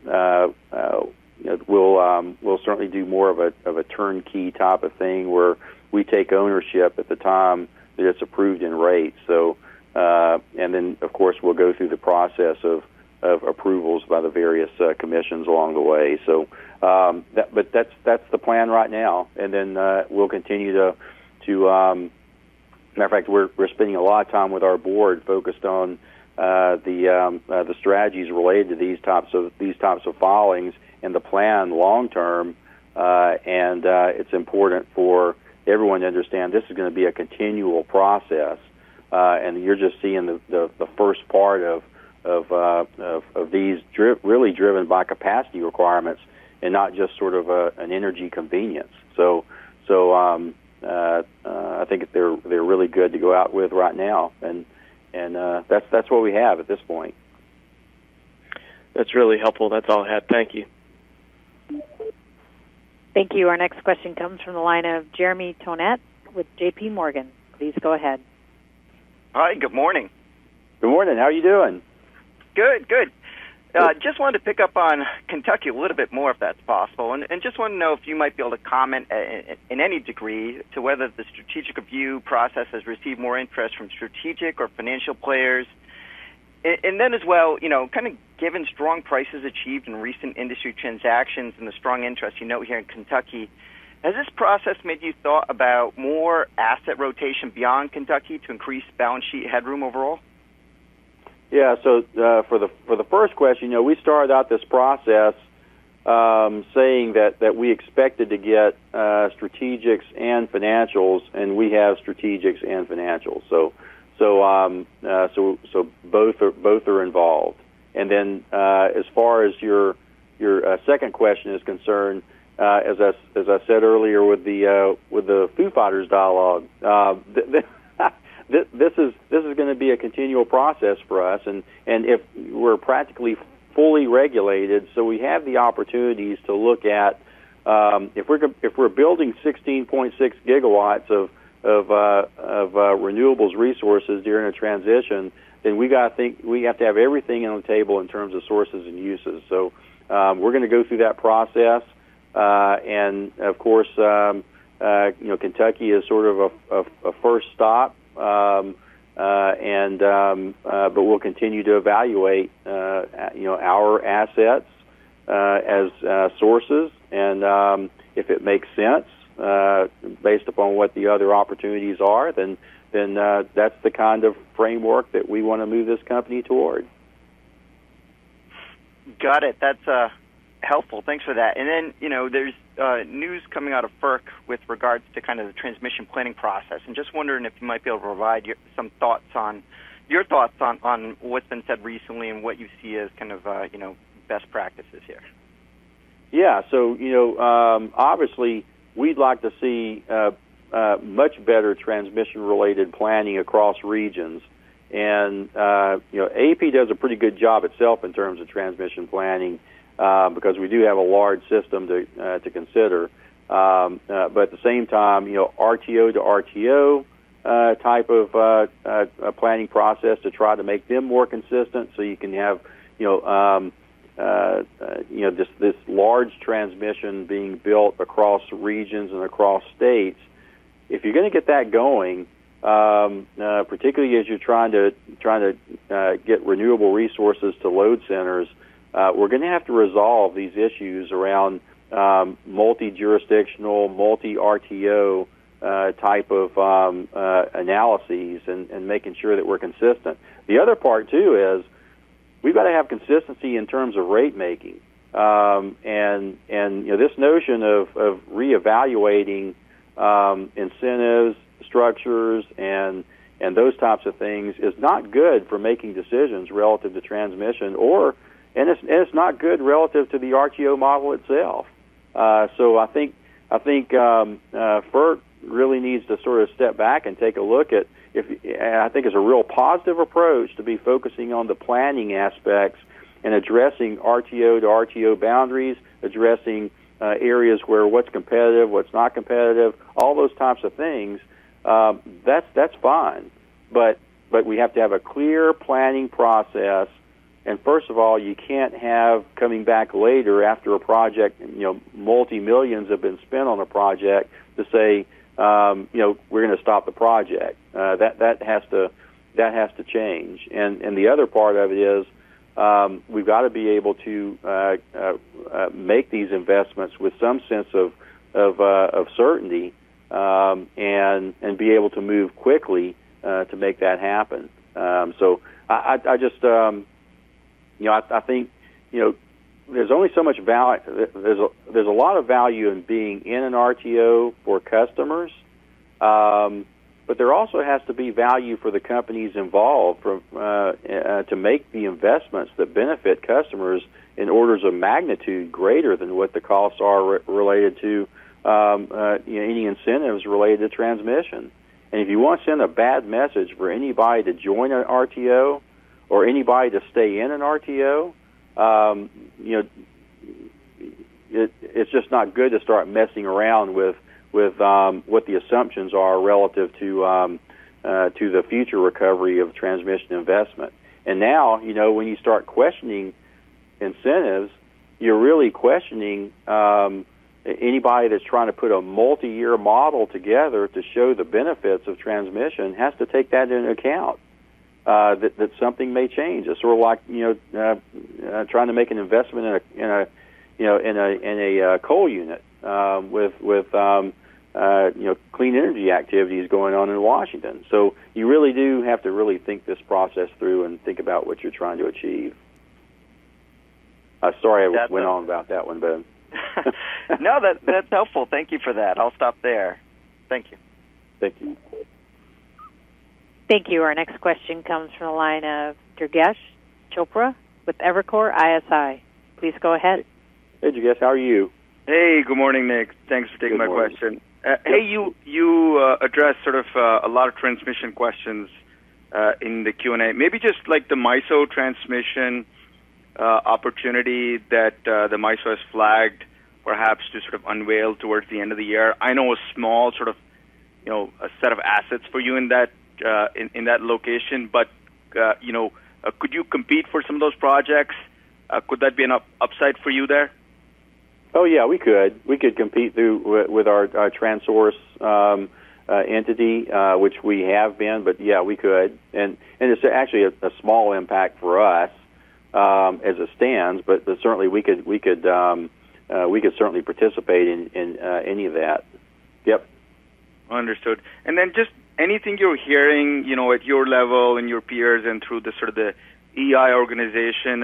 will certainly do more of a turnkey type of thing where we take ownership at the time that it's approved in rates. Of course, we'll go through the process of approvals by the various commissions along the way. That's the plan right now. Matter of fact, we're spending a lot of time with our board focused on the strategies related to these types of filings and the plan long term. It's important for everyone to understand this is going to be a continual process. You're just seeing the first part of these really driven by capacity requirements and not just sort of an energy convenience. I think they're really good to go out with right now. That's what we have at this point. That's really helpful. That's all I have. Thank you. Thank you. Our next question comes from the line of Jeremy Tonet with JPMorgan. Please go ahead. Hi, good morning. Good morning. How are you doing? Good. Just wanted to pick up on Kentucky a little bit more, if that's possible, and just wanted to know if you might be able to comment, in any degree, to whether the strategic review process has received more interest from strategic or financial players. Then as well, kind of given strong prices achieved in recent industry transactions and the strong interest you know here in Kentucky, has this process made you thought about more asset rotation beyond Kentucky to increase balance sheet headroom overall? For the first question, we started out this process saying that we expected to get strategics and financials, we have strategics and financials. Both are involved. As far as your second question is concerned, as I said earlier with the dialogue, this is going to be a continual process for us. We're practically fully regulated, we have the opportunities to look at, if we're building 16.6 GW of renewables resources during a transition, we have to have everything on the table in terms of sources and uses. We're going to go through that process. Of course, Kentucky is sort of a first stop. We'll continue to evaluate our assets as sources. If it makes sense, based upon what the other opportunities are, that's the kind of framework that we want to move this company toward. Got it. That's helpful. Thanks for that. There's news coming out of FERC with regards to the transmission planning process. I'm just wondering if you might be able to provide some thoughts on what's been said recently and what you see as kind of best practices here. Obviously, we'd like to see much better transmission-related planning across regions. AEP does a pretty good job itself in terms of transmission planning, because we do have a large system to consider. At the same time, RTO to RTO type of planning process to try to make them more consistent, so you can have this large transmission being built across regions and across states. If you're going to get that going, particularly as you try to get renewable resources to load centers, we're going to have to resolve these issues around multi-jurisdictional, multi-RTO type of analyses and making sure that we're consistent. The other part too is, we've got to have consistency in terms of rate making. This notion of reevaluating incentives, structures, and those types of things is not good for making decisions relative to transmission, or it's not good relative to the RTO model itself. I think FERC really needs to sort of step back and take a look at, and I think it's a real positive approach to be focusing on the planning aspects and addressing RTO to RTO boundaries, addressing areas where what's competitive, what's not competitive, all those types of things. That's fine. We have to have a clear planning process. First of all, you can't have coming back later after a project, multi-millions have been spent on a project to say, "We're going to stop the project." That has to change. The other part of it is, we've got to be able to make these investments with some sense of certainty, and be able to move quickly to make that happen. So I think there's a lot of value in being in an RTO for customers. There also has to be value for the companies involved to make the investments that benefit customers in orders of magnitude greater than what the costs are related to any incentives related to transmission. And if you want to send a bad message for anybody to join an RTO or anybody to stay in an RTO, it's just not good to start messing around with what the assumptions are relative to the future recovery of transmission investment. Now, when you start questioning incentives, you're really questioning anybody that's trying to put a multi-year model together to show the benefits of transmission have to take that into account. That something may change. It's sort of like trying to make an investment in a coal unit with clean energy activities going on in Washington. You really do have to really think this process through and think about what you're trying to achieve. Sorry I went on about that one, Ben. No, that's helpful. Thank you for that. I'll stop there. Thank you. Thank you. Thank you. Our next question comes from the line of Durgesh Chopra with Evercore ISI. Please go ahead. Hey, Durgesh, how are you? Hey, good morning, Nick. Thanks for taking my question. Good morning. Hey, you addressed sort of a lot of transmission questions in the Q&A. Maybe just like the MISO transmission opportunity that the MISO has flagged, perhaps to sort of unveil towards the end of the year. I know a small set of assets for you in that location, but could you compete for some of those projects? Could that be an upside for you there? Oh, yeah, we could. We could compete through with our Transource entity, which we have been. Yeah, we could. It's actually a small impact for us as it stands. Certainly we could certainly participate in any of that. Yep. Understood. Just anything you're hearing at your level and your peers and through the sort of the EEI organization.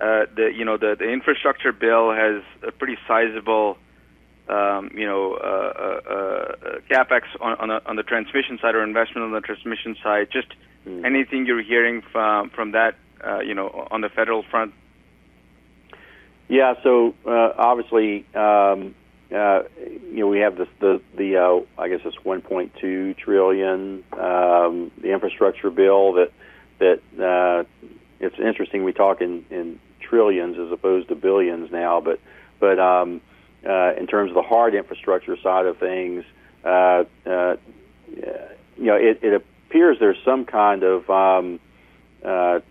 The infrastructure bill has a pretty sizable CapEx on the transmission side or investment on the transmission side. Just anything you're hearing from that on the federal front? Obviously, we have the, I guess it's 1.2 trillion, the infrastructure bill. It's interesting we talk in trillions as opposed to billions now. In terms of the hard infrastructure side of things, it appears there's some kind of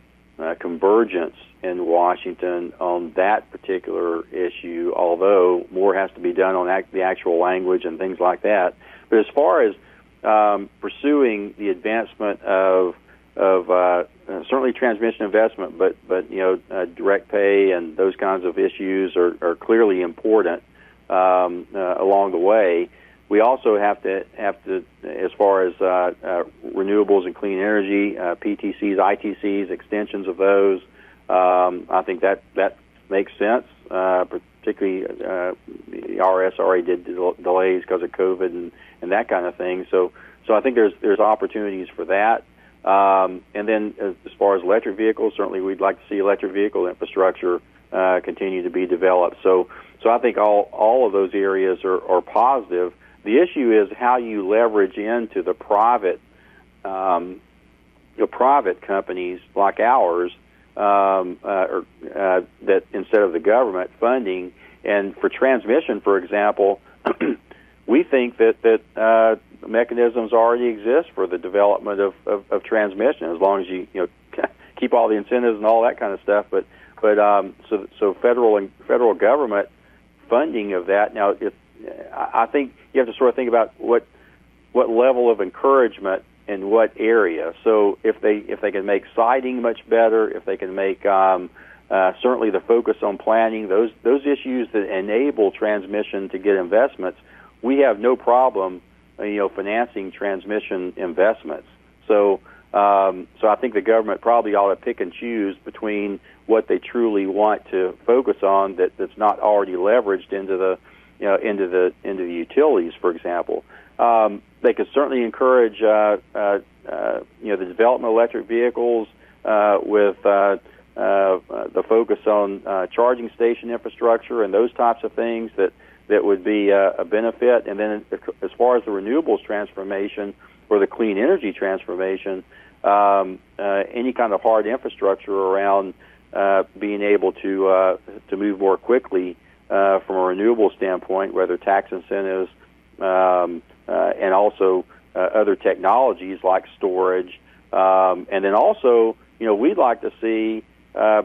convergence in Washington on that particular issue, although more has to be done on the actual language and things like that. As far as pursuing the advancement of certainly transmission investment, but direct pay and those kinds of issues are clearly important along the way. We also have to, as far as renewables and clean energy, PTCs, ITCs, extensions of those, I think that makes sense, particularly the IRS-related delays because of COVID and that kind of thing. I think there's opportunities for that. As far as electric vehicles, certainly we'd like to see electric vehicle infrastructure continue to be developed. I think all of those areas are positive. The issue is how you leverage into the private companies like ours, that instead of the government funding and for transmission, for example, we think that mechanisms already exist for the development of transmission, as long as you keep all the incentives and all that kind of stuff. Federal and federal government funding of that now, I think you have to sort of think about what level of encouragement and what area. If they can make siting much better, if they can make certainly the focus on planning, those issues that enable transmission to get investments, we have no problem financing transmission investments. I think the government probably all have to pick and choose between what they truly want to focus on that's not already leveraged into the utilities, for example. They could certainly encourage the development of electric vehicles with the focus on charging station infrastructure and those types of things that would be a benefit. Then as far as the renewables transformation or the clean energy transformation, any kind of hard infrastructure around being able to move more quickly from a renewables standpoint, whether tax incentives, and also other technologies like storage. Then also, we'd like to see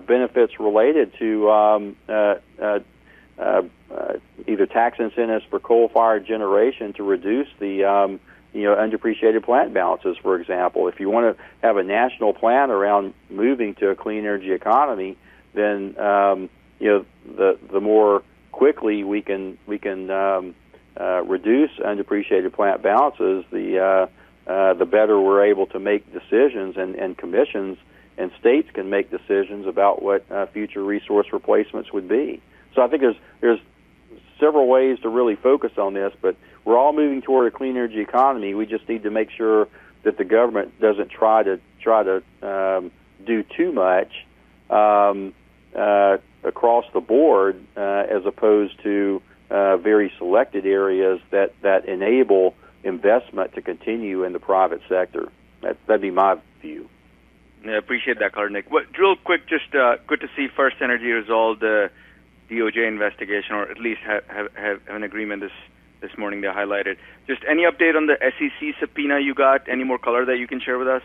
benefits related to either tax incentives for coal fire generation to reduce the undepreciated plant balances, for example. If you want to have a national plan around moving to a clean energy economy, then the more quickly we can reduce undepreciated plant balances, the better we're able to make decisions and commissions and states can make decisions about what future resource replacements would be. I think there's several ways to really focus on this, but we're all moving toward a clean energy economy. We just need to make sure that the government doesn't try to do too much across the board as opposed to very selected areas that enable investment to continue in the private sector. That'd be my view. Yeah, appreciate that color, Nick. Real quick, just good to see FirstEnergy resolve the DOJ investigation, or at least have an agreement this morning to highlight it. Just any update on the SEC subpoena you got? Any more color that you can share with us?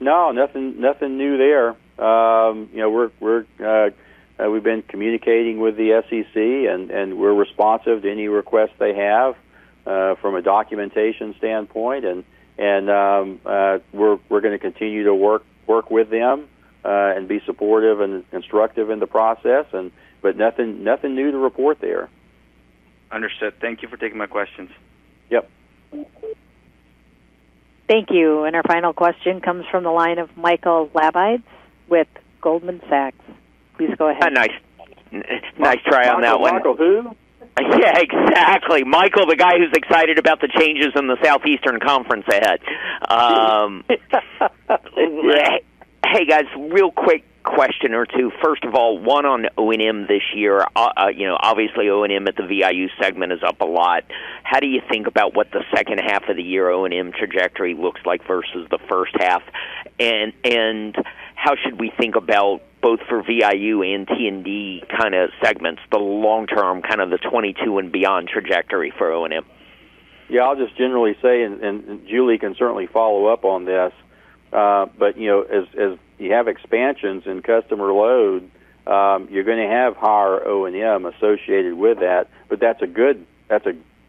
No, nothing new there. We've been communicating with the SEC, and we're responsive to any requests they have from a documentation standpoint, and we're going to continue to work with them and be supportive and constructive in the process, but nothing new to report there. Understood. Thank you for taking my questions. Yep. Thank you. Our final question comes from the line of Michael Lapides with Goldman Sachs. Please go ahead. Nice try on that one. Michael who? Yeah, exactly. Michael, the guy who's excited about the changes in the Southeastern Conference they had. Hey, guys, real quick question or two. First of all, one on O&M this year. Obviously O&M at the VIU segment is up a lot. How do you think about what the second half of the year O&M trajectory looks like versus the first half? How should we think about both for VIU and T&D segments, the long term, the 2022 and beyond trajectory for O&M? Yeah. I'll just generally say, and Julie can certainly follow up on this. As you have expansions in customer load, you're going to have higher O&M associated with that, but that's a good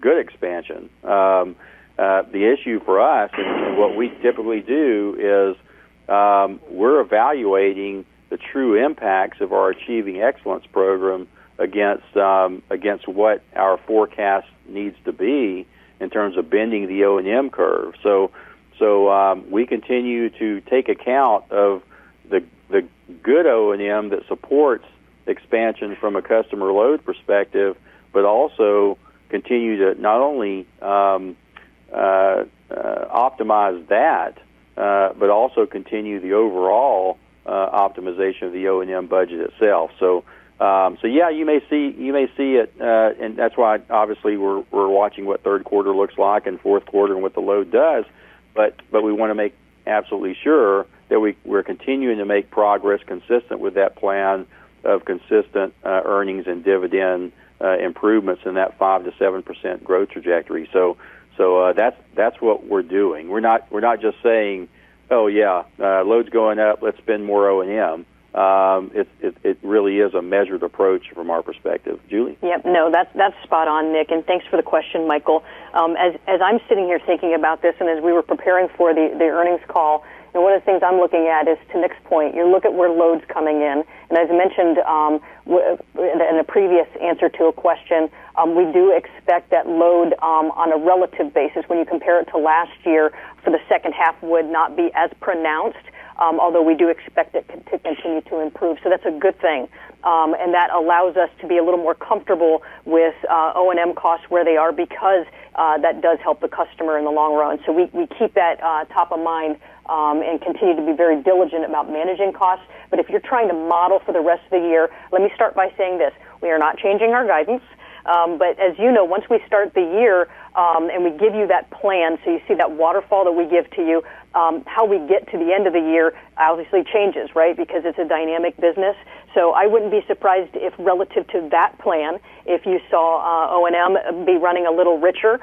expansion. The issue for us and what we typically do is, we're evaluating the true impacts of our Achieving Excellence Program against what our forecast needs to be in terms of bending the O&M curve. We continue to take account of the good O&M that supports expansion from a customer load perspective, but also continue to not only optimize that, but also continue the overall optimization of the O&M budget itself. Yeah, you may see it, and that's why obviously we're watching what third quarter looks like and fourth quarter and what the load does. We want to make absolutely sure that we're continuing to make progress consistent with that plan of consistent earnings and dividend improvements in that 5%-7% growth trajectory. That's what we're doing. We're not just saying, "Oh, yeah, load is going up. Let's spend more O&M." It really is a measured approach from our perspective. Julie? Yep. No, that's spot on, Nick. Thanks for the question, Michael. As I'm sitting here thinking about this and as we were preparing for the earnings call, one of the things I'm looking at is to Nick's point, you look at where load is coming in. As mentioned in a previous answer to a question, we do expect that load on a relative basis when you compare it to last year for the second half would not be as pronounced. Although we do expect it to continue to improve. That's a good thing. That allows us to be a little more comfortable with O&M costs where they are because that does help the customer in the long run. We keep that top of mind and continue to be very diligent about managing costs. If you're trying to model for the rest of the year, let me start by saying this, we are not changing our guidance. As you know, once we start the year and we give you that plan, so you see that waterfall that we give to you, how we get to the end of the year obviously changes, right? Because it's a dynamic business. I wouldn't be surprised if relative to that plan, if you saw O&M be running a little richer.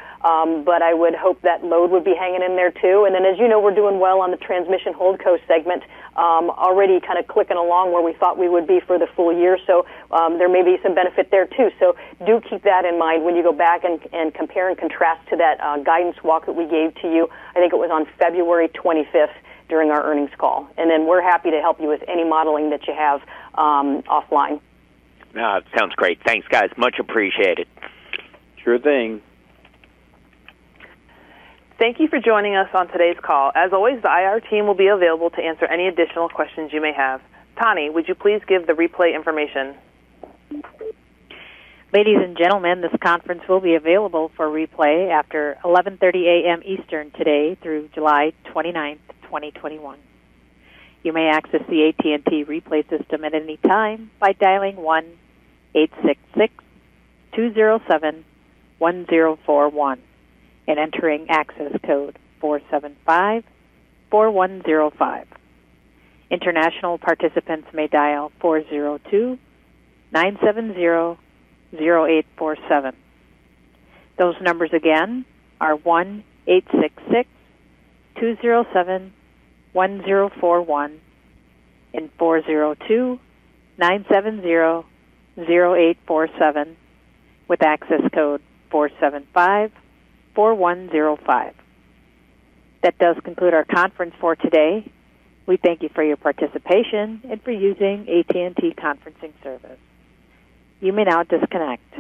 I would hope that load would be hanging in there, too. As you know, we're doing well on the transmission holdco segment, already kind of clicking along where we thought we would be for the full year. There may be some benefit there, too. Do keep that in mind when you go back and compare and contrast to that guidance walk that we gave to you. I think it was on February 25th during our earnings call. We're happy to help you with any modeling that you have offline. Sounds great. Thanks, guys. Much appreciated. Sure thing. Thank you for joining us on today's call. As always, the IR team will be available to answer any additional questions you may have. Tony, would you please give the replay information? Ladies and gentlemen, this conference will be available for replay after 11:30 AM Eastern today through July 29th, 2021. You may access the AT&T replay system at any time by dialing 1-866-207-1041 and entering access code 4754105. International participants may dial 402-970-0847. Those numbers again are 1-866-207-1041 and 402-970-0847 with access code 4754105. That does conclude our conference for today. We thank you for your participation and for using AT&T conferencing service. You may now disconnect.